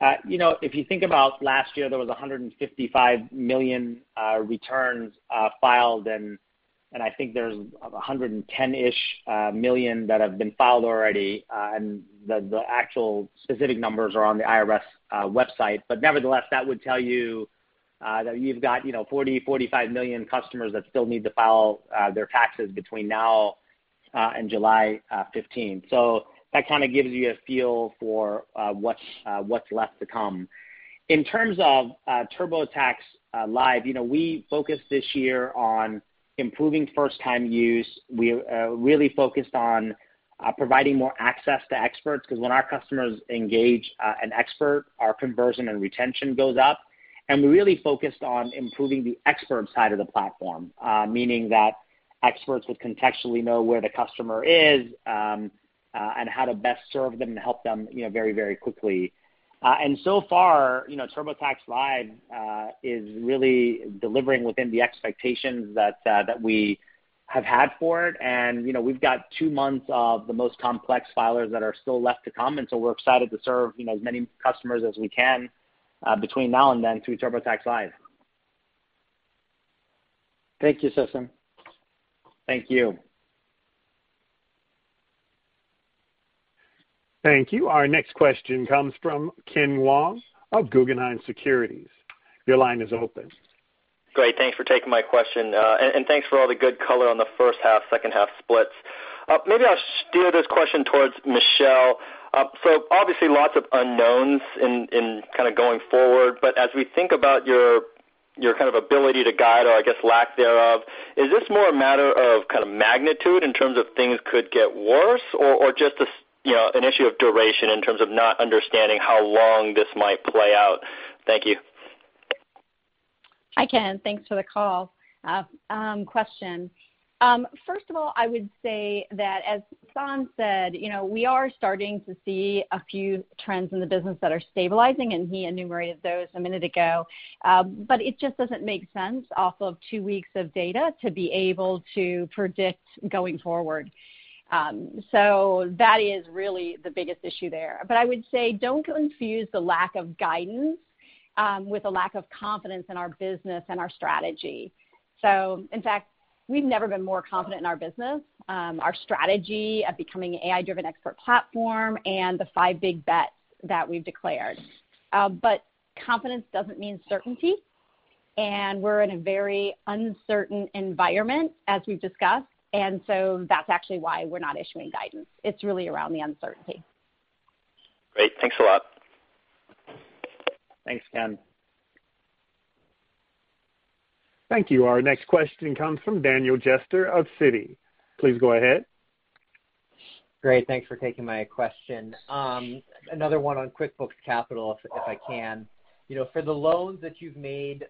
If you think about last year, there was 155 million returns filed, and I think there's 110-ish million that have been filed already. The actual specific numbers are on the IRS website. Nevertheless, that would tell you that you've got 40, 45 million customers that still need to file their taxes between now and July 15th. That kind of gives you a feel for what's left to come. In terms of TurboTax Live, we focused this year on improving first-time use. We really focused on providing more access to experts, because when our customers engage an expert, our conversion and retention go up. We really focused on improving the expert side of the platform, meaning that experts would contextually know where the customer is, and how to best serve them and help them very quickly. So far, TurboTax Live is really delivering within the expectations that we have had for it. We've got two months of the most complex filers that are still left to come, we're excited to serve as many customers as we can between now and then through TurboTax Live. Thank you, Sasan. Thank you. Thank you. Our next question comes from Ken Wong of Guggenheim Securities. Your line is open. Great. Thanks for taking my question. Thanks for all the good color on the first half, second half splits. Maybe I'll steer this question towards Michelle. Obviously lots of unknowns in kind of going forward, but as we think about your kind of ability to guide or, I guess, lack thereof, is this more a matter of kind of magnitude in terms of things could get worse or just an issue of duration in terms of not understanding how long this might play out? Thank you. Hi, Ken. Thanks for the call. Question. First of all, I would say that as Sasan said, we are starting to see a few trends in the business that are stabilizing, and he enumerated those a minute ago. It just doesn't make sense off of two weeks of data to be able to predict going forward. That is really the biggest issue there. I would say, don't confuse the lack of guidance with a lack of confidence in our business and our strategy. In fact, we've never been more confident in our business, our strategy of becoming an AI-driven expert platform and the five big bets that we've declared. Confidence doesn't mean certainty, and we're in a very uncertain environment as we've discussed. That's actually why we're not issuing guidance. It's really around the uncertainty. Great. Thanks a lot. Thanks, Ken. Thank you. Our next question comes from Daniel Jester of Citi. Please go ahead. Great. Thanks for taking my question. Another one on QuickBooks Capital, if I can. For the loans that you've made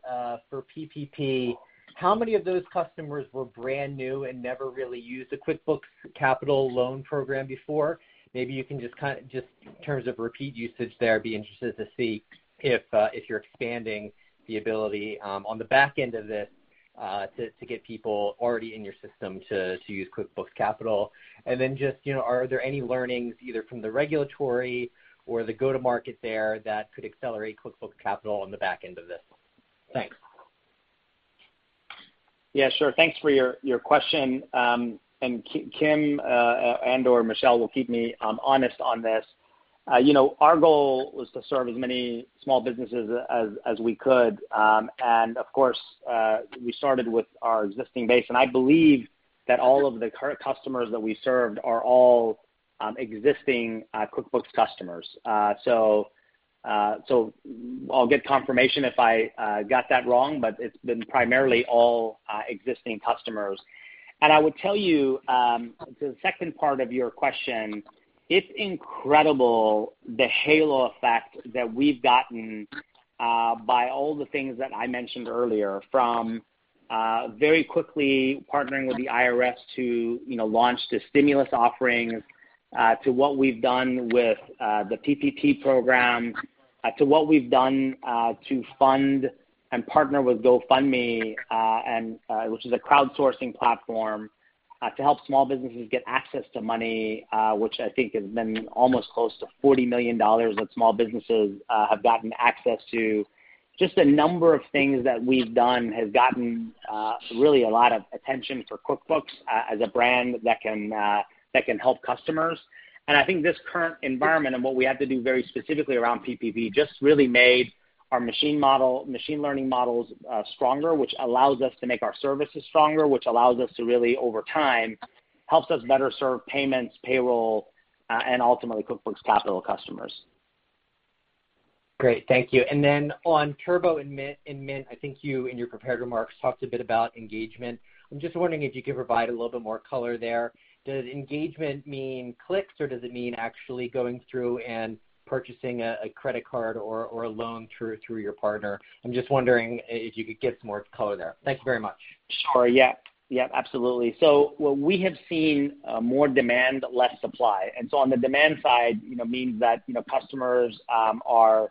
for PPP, how many of those customers were brand new and never really used the QuickBooks Capital loan program before? Maybe you can just in terms of repeat usage there, I'd be interested to see if you're expanding the ability on the back end of this to get people already in your system to use QuickBooks Capital. Then just are there any learnings, either from the regulatory or the go-to-market there that could accelerate QuickBooks Capital on the back end of this? Thanks. Yeah, sure. Thanks for your question. Kim and Michelle will keep me honest on this. Our goal was to serve as many small businesses as we could. Of course, we started with our existing base, and I believe that all of the current customers that we served are all existing QuickBooks customers. I'll get confirmation if I got that wrong, but it's been primarily all existing customers. I would tell you, to the second part of your question, it's incredible the halo effect that we've gotten by all the things that I mentioned earlier, from very quickly partnering with the IRS to launch the stimulus offerings, to what we've done with the PPP program, to what we've done to fund and partner with GoFundMe, which is a crowdsourcing platform to help small businesses get access to money which I think has been almost close to $40 million that small businesses have gotten access to. Just a number of things that we've done has gotten really a lot of attention for QuickBooks as a brand that can help customers. I think this current environment and what we had to do very specifically around PPP just really made our machine learning models stronger, which allows us to make our services stronger, which allows us to really, over time, helps us better serve payments, payroll, and ultimately, QuickBooks Capital customers. Great, thank you. Then on Turbo and Mint, I think you, in your prepared remarks, talked a bit about engagement. I'm just wondering if you could provide a little bit more color there. Does engagement mean clicks, or does it mean actually going through and purchasing a credit card or a loan through your partner? I'm just wondering if you could give some more color there. Thank you very much. Sure. Yeah, absolutely. What we have seen, more demand, less supply. On the demand side, means that customers are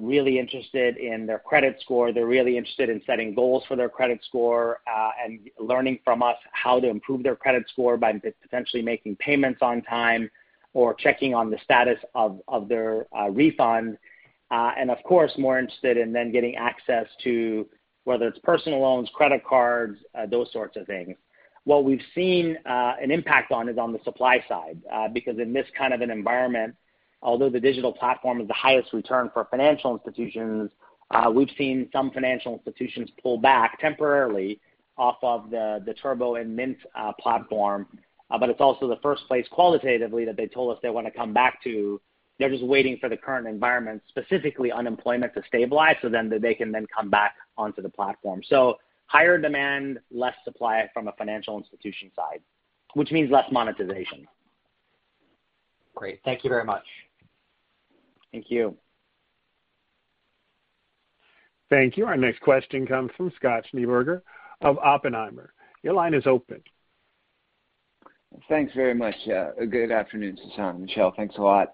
really interested in their credit score. They're really interested in setting goals for their credit score, and learning from us how to improve their credit score by potentially making payments on time or checking on the status of their refund. Of course, more interested in then getting access to, whether it's personal loans, credit cards, those sorts of things. What we've seen an impact on is on the supply side. Because in this kind of an environment, although the digital platform is the highest return for financial institutions, we've seen some financial institutions pull back temporarily off of the Turbo and Mint platform. It's also the first place qualitatively that they told us they want to come back to. They're just waiting for the current environment, specifically unemployment, to stabilize so then they can then come back onto the platform. Higher demand, less supply from a financial institution side, which means less monetization. Great. Thank you very much. Thank you. Thank you. Our next question comes from Scott Schneeberger of Oppenheimer. Your line is open. Thanks very much. Good afternoon, Sasan, Michelle. Thanks a lot.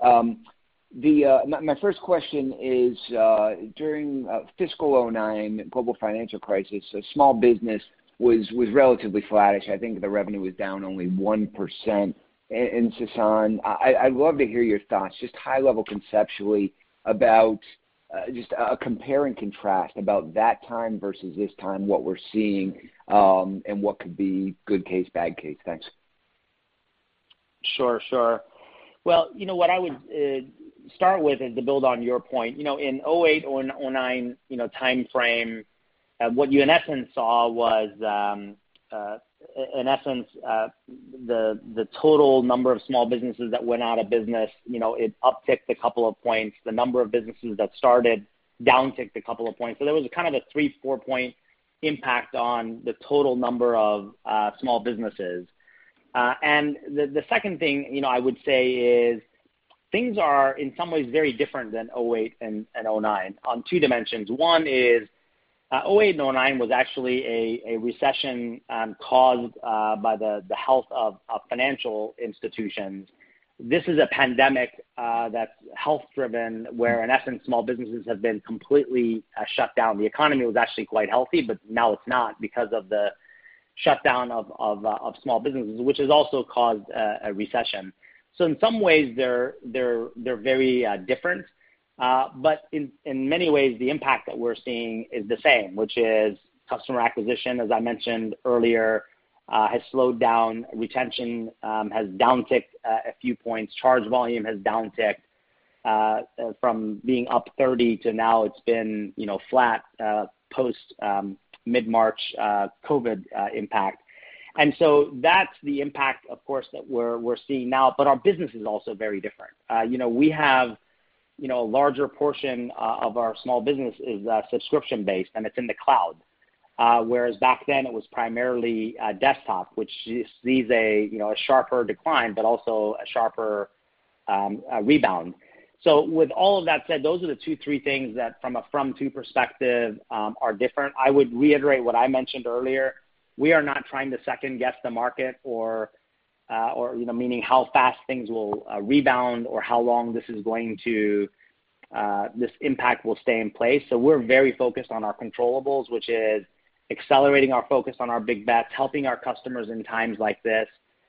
My first question is, during fiscal 2009 global financial crisis, small business was relatively flattish. I think the revenue was down only 1%. Sasan, I'd love to hear your thoughts, just high level conceptually about just a compare and contrast about that time versus this time, what we're seeing, and what could be a good case, bad case. Thanks. Sure. Well, what I would start with is to build on your point. In '08, '09 timeframe, what you in essence saw was the total number of small businesses that went out of business, it upticked a couple of points. The number of businesses that started downticked a couple of points. There was a kind of a three, four-point impact on the total number of small businesses. The second thing I would say is things are, in some ways, very different than '08 and '09 on two dimensions. One is '08 and '09 was actually a recession caused by the health of financial institutions. This is a pandemic that's health driven, where in essence, small businesses have been completely shut down. The economy was actually quite healthy, but now it's not because of the shutdown of small businesses, which has also caused a recession. In some ways they're very different. In many ways, the impact that we're seeing is the same, which is customer acquisition, as I mentioned earlier, has slowed down. Retention has downticked a few points. Charge volume has downticked from being up 30 to now it's been flat post mid-March COVID impact. That's the impact, of course, that we're seeing now, but our business is also very different. We have a larger portion of our small business is subscription-based, and it's in the cloud. Whereas back then it was primarily desktop, which sees a sharper decline, but also a sharper rebound. With all of that said, those are the two, three things that from a from-to perspective are different. I would reiterate what I mentioned earlier. We are not trying to second-guess the market or meaning how fast things will rebound or how long this impact will stay in place. We're very focused on our controllables, which is accelerating our focus on our big bets, helping our customers in times like this,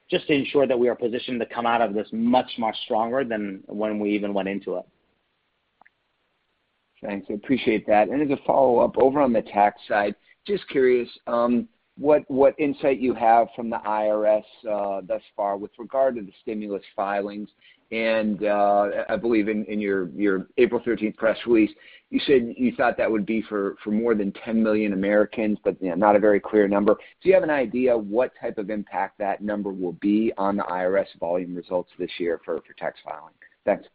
just to ensure that we are positioned to come out of this much, much stronger than when we even went into it. Thanks. I appreciate that. As a follow-up, over on the tax side, just curious, what insight you have from the IRS thus far with regard to the stimulus filings? I believe in your April 13th press release, you said you thought that would be for more than 10 million Americans, but not a very clear number. Do you have an idea what type of impact that number will be on the IRS volume results this year for tax filing? Thanks.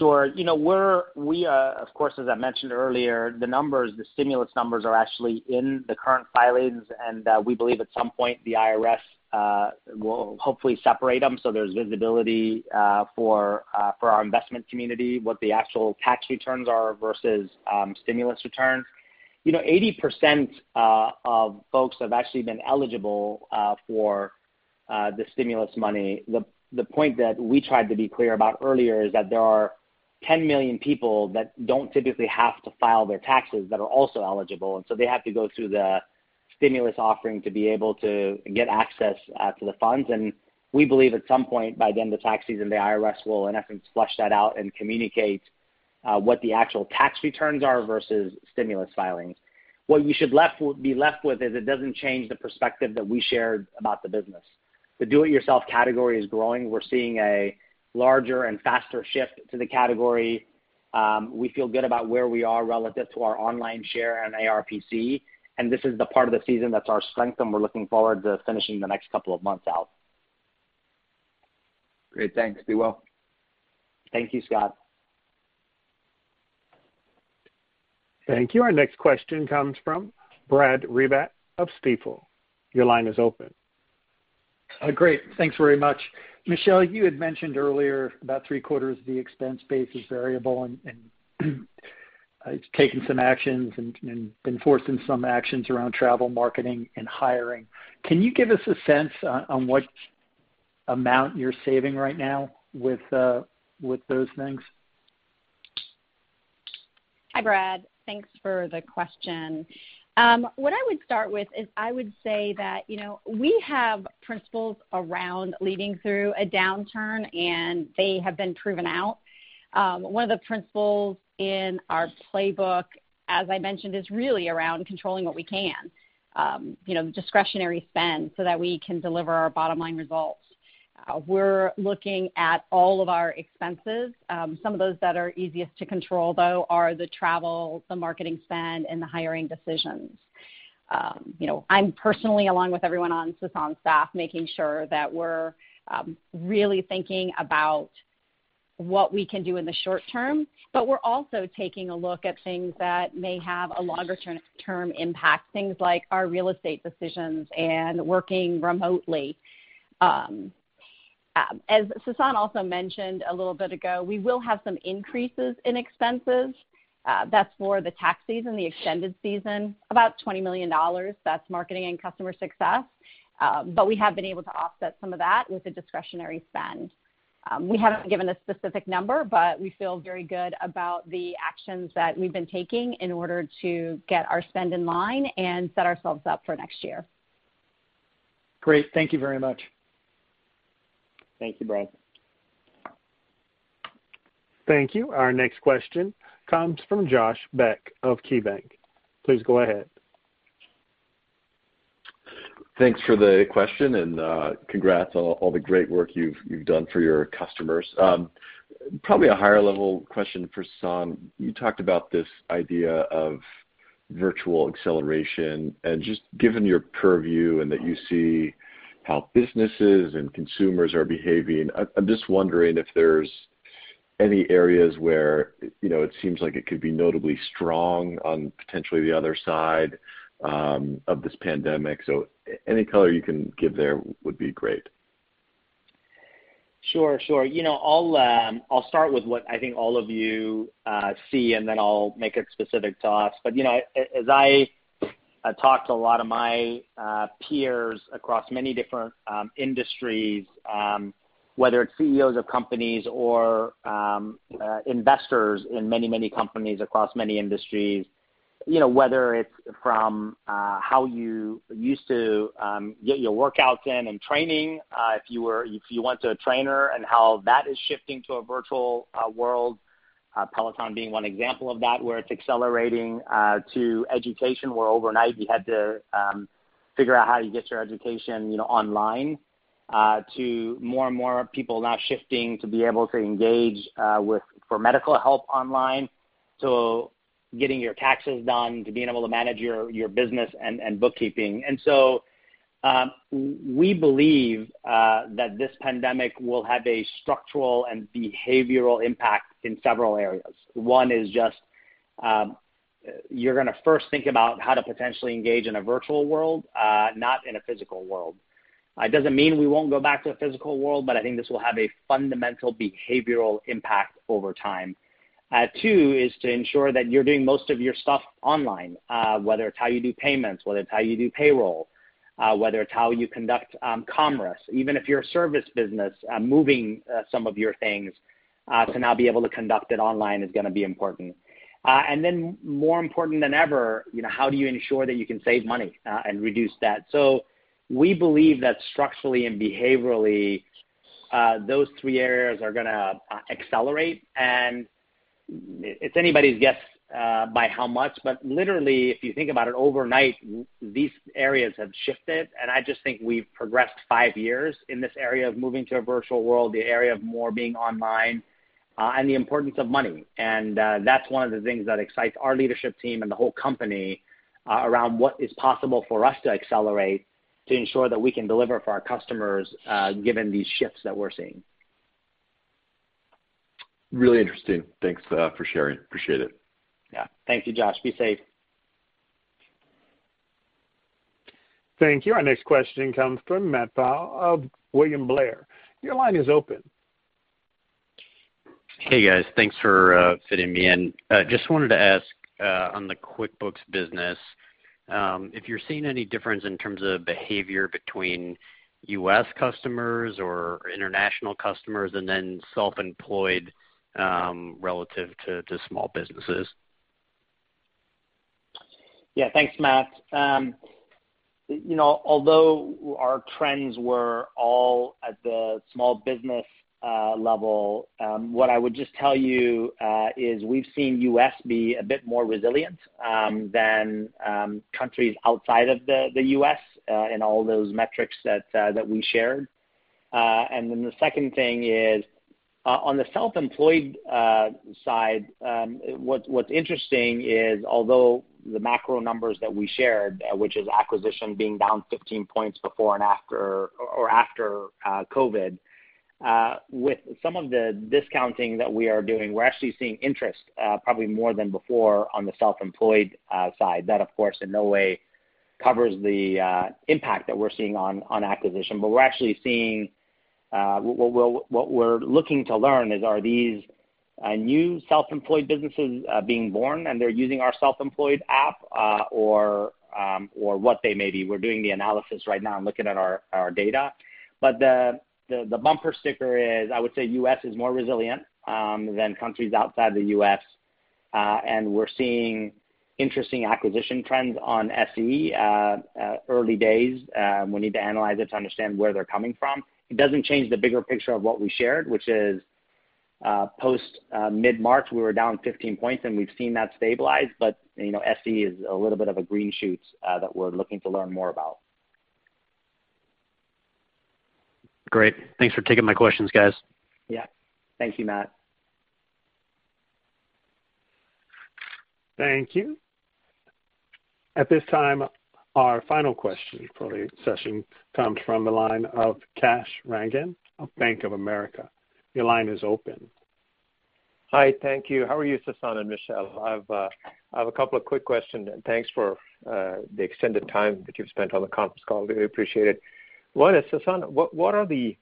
We, of course, as I mentioned earlier, the stimulus numbers are actually in the current filings, and we believe at some point the IRS will hopefully separate them so there's visibility for our investment community, what the actual tax returns are versus stimulus returns. 80% of folks have actually been eligible for the stimulus money. The point that we tried to be clear about earlier is that there are 10 million people that don't typically have to file their taxes that are also eligible, so they have to go through the stimulus offering to be able to get access to the funds. We believe at some point by the end of tax season, the IRS will, in essence, flush that out and communicate what the actual tax returns are versus stimulus filings. What we should be left with is it doesn't change the perspective that we shared about the business. The do-it-yourself category is growing. We're seeing a larger and faster shift to the category. We feel good about where we are relative to our online share and ARPC, and this is the part of the season that's our strength, and we're looking forward to finishing the next couple of months out. Great. Thanks. Be well. Thank you, Scott. Thank you. Our next question comes from Brad Reback of Stifel. Your line is open. Great. Thanks very much. Michelle, you had mentioned earlier about three quarters of the expense base is variable and taking some actions and been forcing some actions around travel marketing and hiring. Can you give us a sense on what amount you're saving right now with those things? Hi, Brad. Thanks for the question. What I would start with is I would say that we have principles around leading through a downturn, and they have been proven out. One of the principles in our playbook, as I mentioned, is really around controlling what we can, discretionary spend so that we can deliver our bottom line results. We're looking at all of our expenses. Some of those that are easiest to control, though, are the travel, the marketing spend, and the hiring decisions. I'm personally, along with everyone on Sasan's staff, making sure that we're really thinking about what we can do in the short term, but we're also taking a look at things that may have a longer-term impact, things like our real estate decisions and working remotely. As Sasan also mentioned a little bit ago, we will have some increases in expenses. That's for the tax season, the extended season, about $20 million. That's marketing and customer success. We have been able to offset some of that with a discretionary spend. We haven't given a specific number, but we feel very good about the actions that we've been taking in order to get our spend in line and set ourselves up for next year. Great. Thank you very much. Thank you, Brad. Thank you. Our next question comes from Josh Beck of KeyBanc. Please go ahead. Thanks for the question, congrats on all the great work you've done for your customers. Probably a higher-level question for Sasan. You talked about this idea of virtual acceleration and just given your purview and that you see how businesses and consumers are behaving, I'm just wondering if there's any areas where it seems like it could be notably strong on potentially the other side of this pandemic. Any color you can give there would be great. Sure. I'll start with what I think all of you see, then I'll make it specific to us. As I talk to a lot of my peers across many different industries, whether it's CEOs of companies or investors in many companies across many industries, whether it's from how you used to get your workouts in and training, if you went to a trainer and how that is shifting to a virtual world, Peloton being one example of that, where it's accelerating to education, where overnight you had to figure out how to get your education online, to more and more people now shifting to be able to engage for medical help online to getting your taxes done, to being able to manage your business and bookkeeping. We believe that this pandemic will have a structural and behavioral impact in several areas. One is, you're going to first think about how to potentially engage in a virtual world, not in a physical world. It doesn't mean we won't go back to a physical world, but I think this will have a fundamental behavioral impact over time. Two is to ensure that you're doing most of your stuff online, whether it's how you do payments, whether it's how you do payroll, whether it's how you conduct commerce. Even if you're a service business, moving some of your things to now be able to conduct it online is going to be important. More important than ever, how do you ensure that you can save money and reduce debt? We believe that structurally and behaviorally, those three areas are going to accelerate. It's anybody's guess by how much, but literally, if you think about it, overnight, these areas have shifted, and I just think we've progressed five years in this area of moving to a virtual world, the area of more being online, and the importance of money. That's one of the things that excites our leadership team and the whole company around what is possible for us to accelerate to ensure that we can deliver for our customers given these shifts that we're seeing. Really interesting. Thanks for sharing. Appreciate it. Yeah. Thank you, Josh. Be safe. Thank you. Our next question comes from Matt Pfau of William Blair. Your line is open. Hey, guys. Thanks for fitting me in. Just wanted to ask, on the QuickBooks business, if you're seeing any difference in terms of behavior between U.S. customers or international customers, and then self-employed, relative to small businesses. Yeah, thanks, Matt. Although our trends were all at the small business level, what I would just tell you is we've seen U.S. be a bit more resilient than countries outside of the U.S. in all those metrics that we shared. The second thing is, on the self-employed side, what's interesting is although the macro numbers that we shared, which is acquisition being down 15 points before and after, or after COVID, with some of the discounting that we are doing, we're actually seeing interest, probably more than before, on the self-employed side. That, of course, in no way covers the impact that we're seeing on acquisition. We're actually seeing, what we're looking to learn is, are these new self-employed businesses being born and they're using our self-employed app? What they may be. We're doing the analysis right now and looking at our data. The bumper sticker is, I would say U.S. is more resilient than countries outside the U.S., and we're seeing interesting acquisition trends on SE. Early days. We need to analyze it to understand where they're coming from. It doesn't change the bigger picture of what we shared, which is post mid-March, we were down 15 points, and we've seen that stabilize, but SE is a little bit of a green shoot that we're looking to learn more about. Great. Thanks for taking my questions, guys. Yeah. Thank you, Matt Thank you. At this time, our final question for the session comes from the line of Kash Rangan of Bank of America. Your line is open. Hi. Thank you. How are you, Sasan and Michelle? I have a couple of quick questions. Thanks for the extended time that you've spent on the conference call. We appreciate it. One is, Sasan, what are the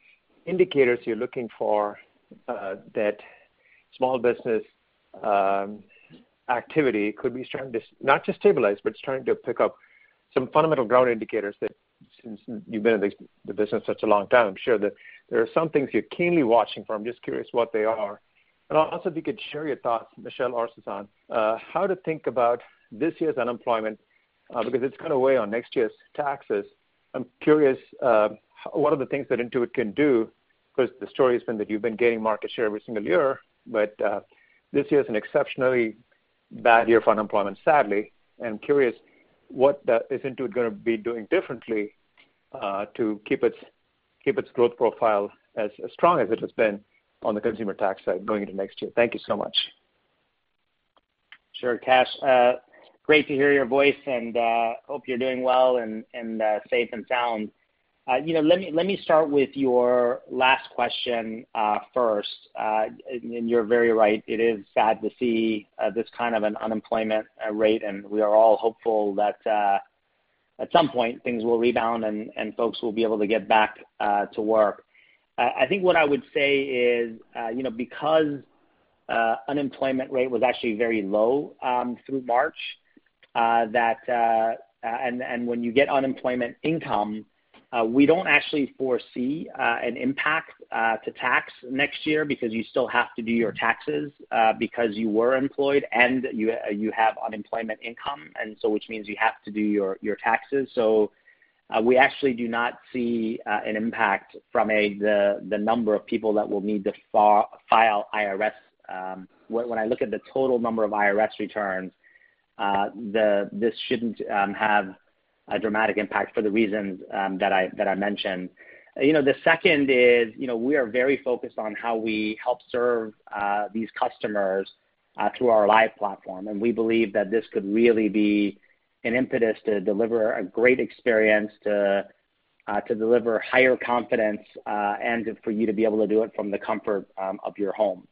indicators you're looking for that small business activity could be starting to, not just stabilize, but starting to pick up some fundamental ground indicators that since you've been in the business such a long time, I'm sure that there are some things you're keenly watching for. I'm just curious what they are. Also, if you could share your thoughts, Michelle or Sasan, how to think about this year's unemployment, because it's going to weigh on next year's taxes. I'm curious what are the things that Intuit can do, because the story's been that you've been gaining market share every single year, but this year's an exceptionally bad year for unemployment, sadly. I'm curious what is Intuit going to be doing differently to keep its growth profile as strong as it has been on the consumer tax side going into next year? Thank you so much. Sure, Kash. Great to hear your voice. Hope you're doing well and safe and sound. Let me start with your last question first. You're very right, it is sad to see this kind of unemployment rate. We are all hopeful that at some point things will rebound. Folks will be able to get back to work. I think what I would say is, because unemployment rate was actually very low through March. When you get unemployment income, we don't actually foresee an impact to tax next year because you still have to do your taxes because you were employed and you have unemployment income, which means you have to do your taxes. We actually do not see an impact from the number of people that will need to file IRS. When I look at the total number of IRS returns, this shouldn't have a dramatic impact for the reasons that I mentioned. The second is we are very focused on how we help serve these customers through our live platform, and we believe that this could really be an impetus to deliver a great experience To deliver higher confidence and for you to be able to do it from the comfort of your home.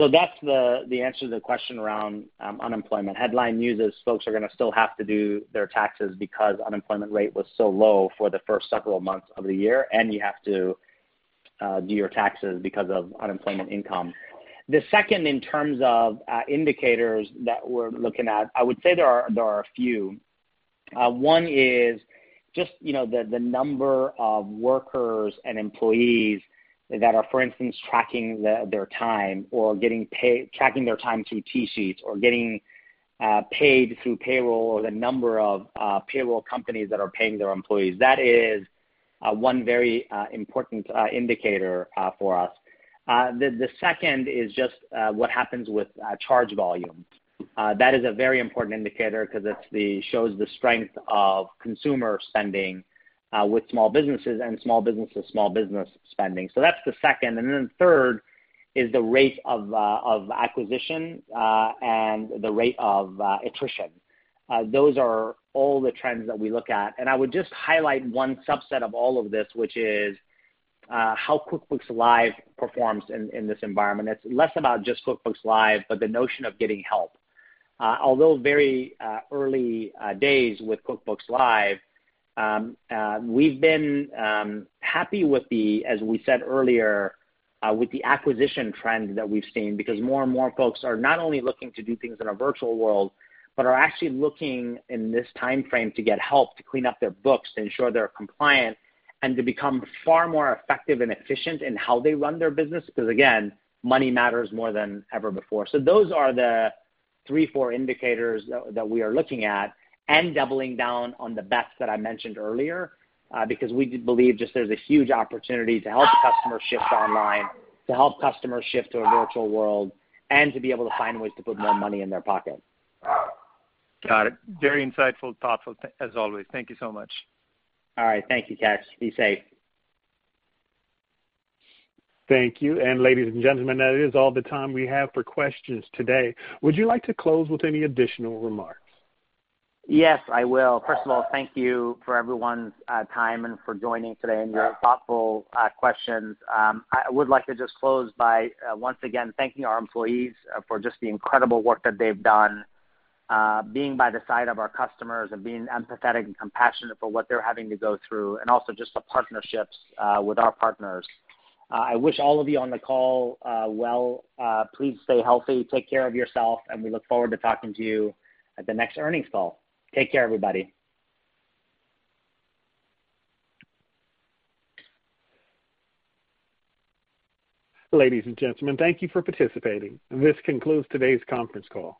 That's the answer to the question around unemployment. Headline news is folks are going to still have to do their taxes because unemployment rate was so low for the first several months of the year, and you have to do your taxes because of unemployment income. The second, in terms of indicators that we're looking at, I would say there are a few. One is just the number of workers and employees that are, for instance, tracking their time or tracking their time through TSheets or getting paid through payroll, or the number of payroll companies that are paying their employees. That is one very important indicator for us. The second is just what happens with charge volume. That is a very important indicator because it shows the strength of consumer spending with small businesses, and small business to small business spending. That's the second, third is the rate of acquisition and the rate of attrition. Those are all the trends that we look at. I would just highlight one subset of all of this, which is how QuickBooks Live performs in this environment. It's less about just QuickBooks Live, but the notion of getting help. Very early days with QuickBooks Live, we've been happy with the, as we said earlier, with the acquisition trend that we've seen because more and more folks are not only looking to do things in a virtual world but are actually looking in this timeframe to get help to clean up their books, to ensure they're compliant, and to become far more effective and efficient in how they run their business because, again, money matters more than ever before. Those are the three, four indicators that we are looking at and doubling down on the bets that I mentioned earlier, because we believe just there's a huge opportunity to help customers shift online, to help customers shift to a virtual world, and to be able to find ways to put more money in their pocket. Got it. Very insightful, thoughtful as always. Thank you so much. All right. Thank you, Kash. Be safe. Thank you. Ladies and gentlemen, that is all the time we have for questions today. Would you like to close with any additional remarks? Yes, I will. First of all, thank you for everyone's time and for joining today and your thoughtful questions. I would like to just close by once again thanking our employees for just the incredible work that they've done being by the side of our customers and being empathetic and compassionate for what they're having to go through, and also just the partnerships with our partners. I wish all of you on the call well. Please stay healthy, take care of yourself, and we look forward to talking to you at the next earnings call. Take care, everybody. Ladies and gentlemen, thank you for participating. This concludes today's conference call.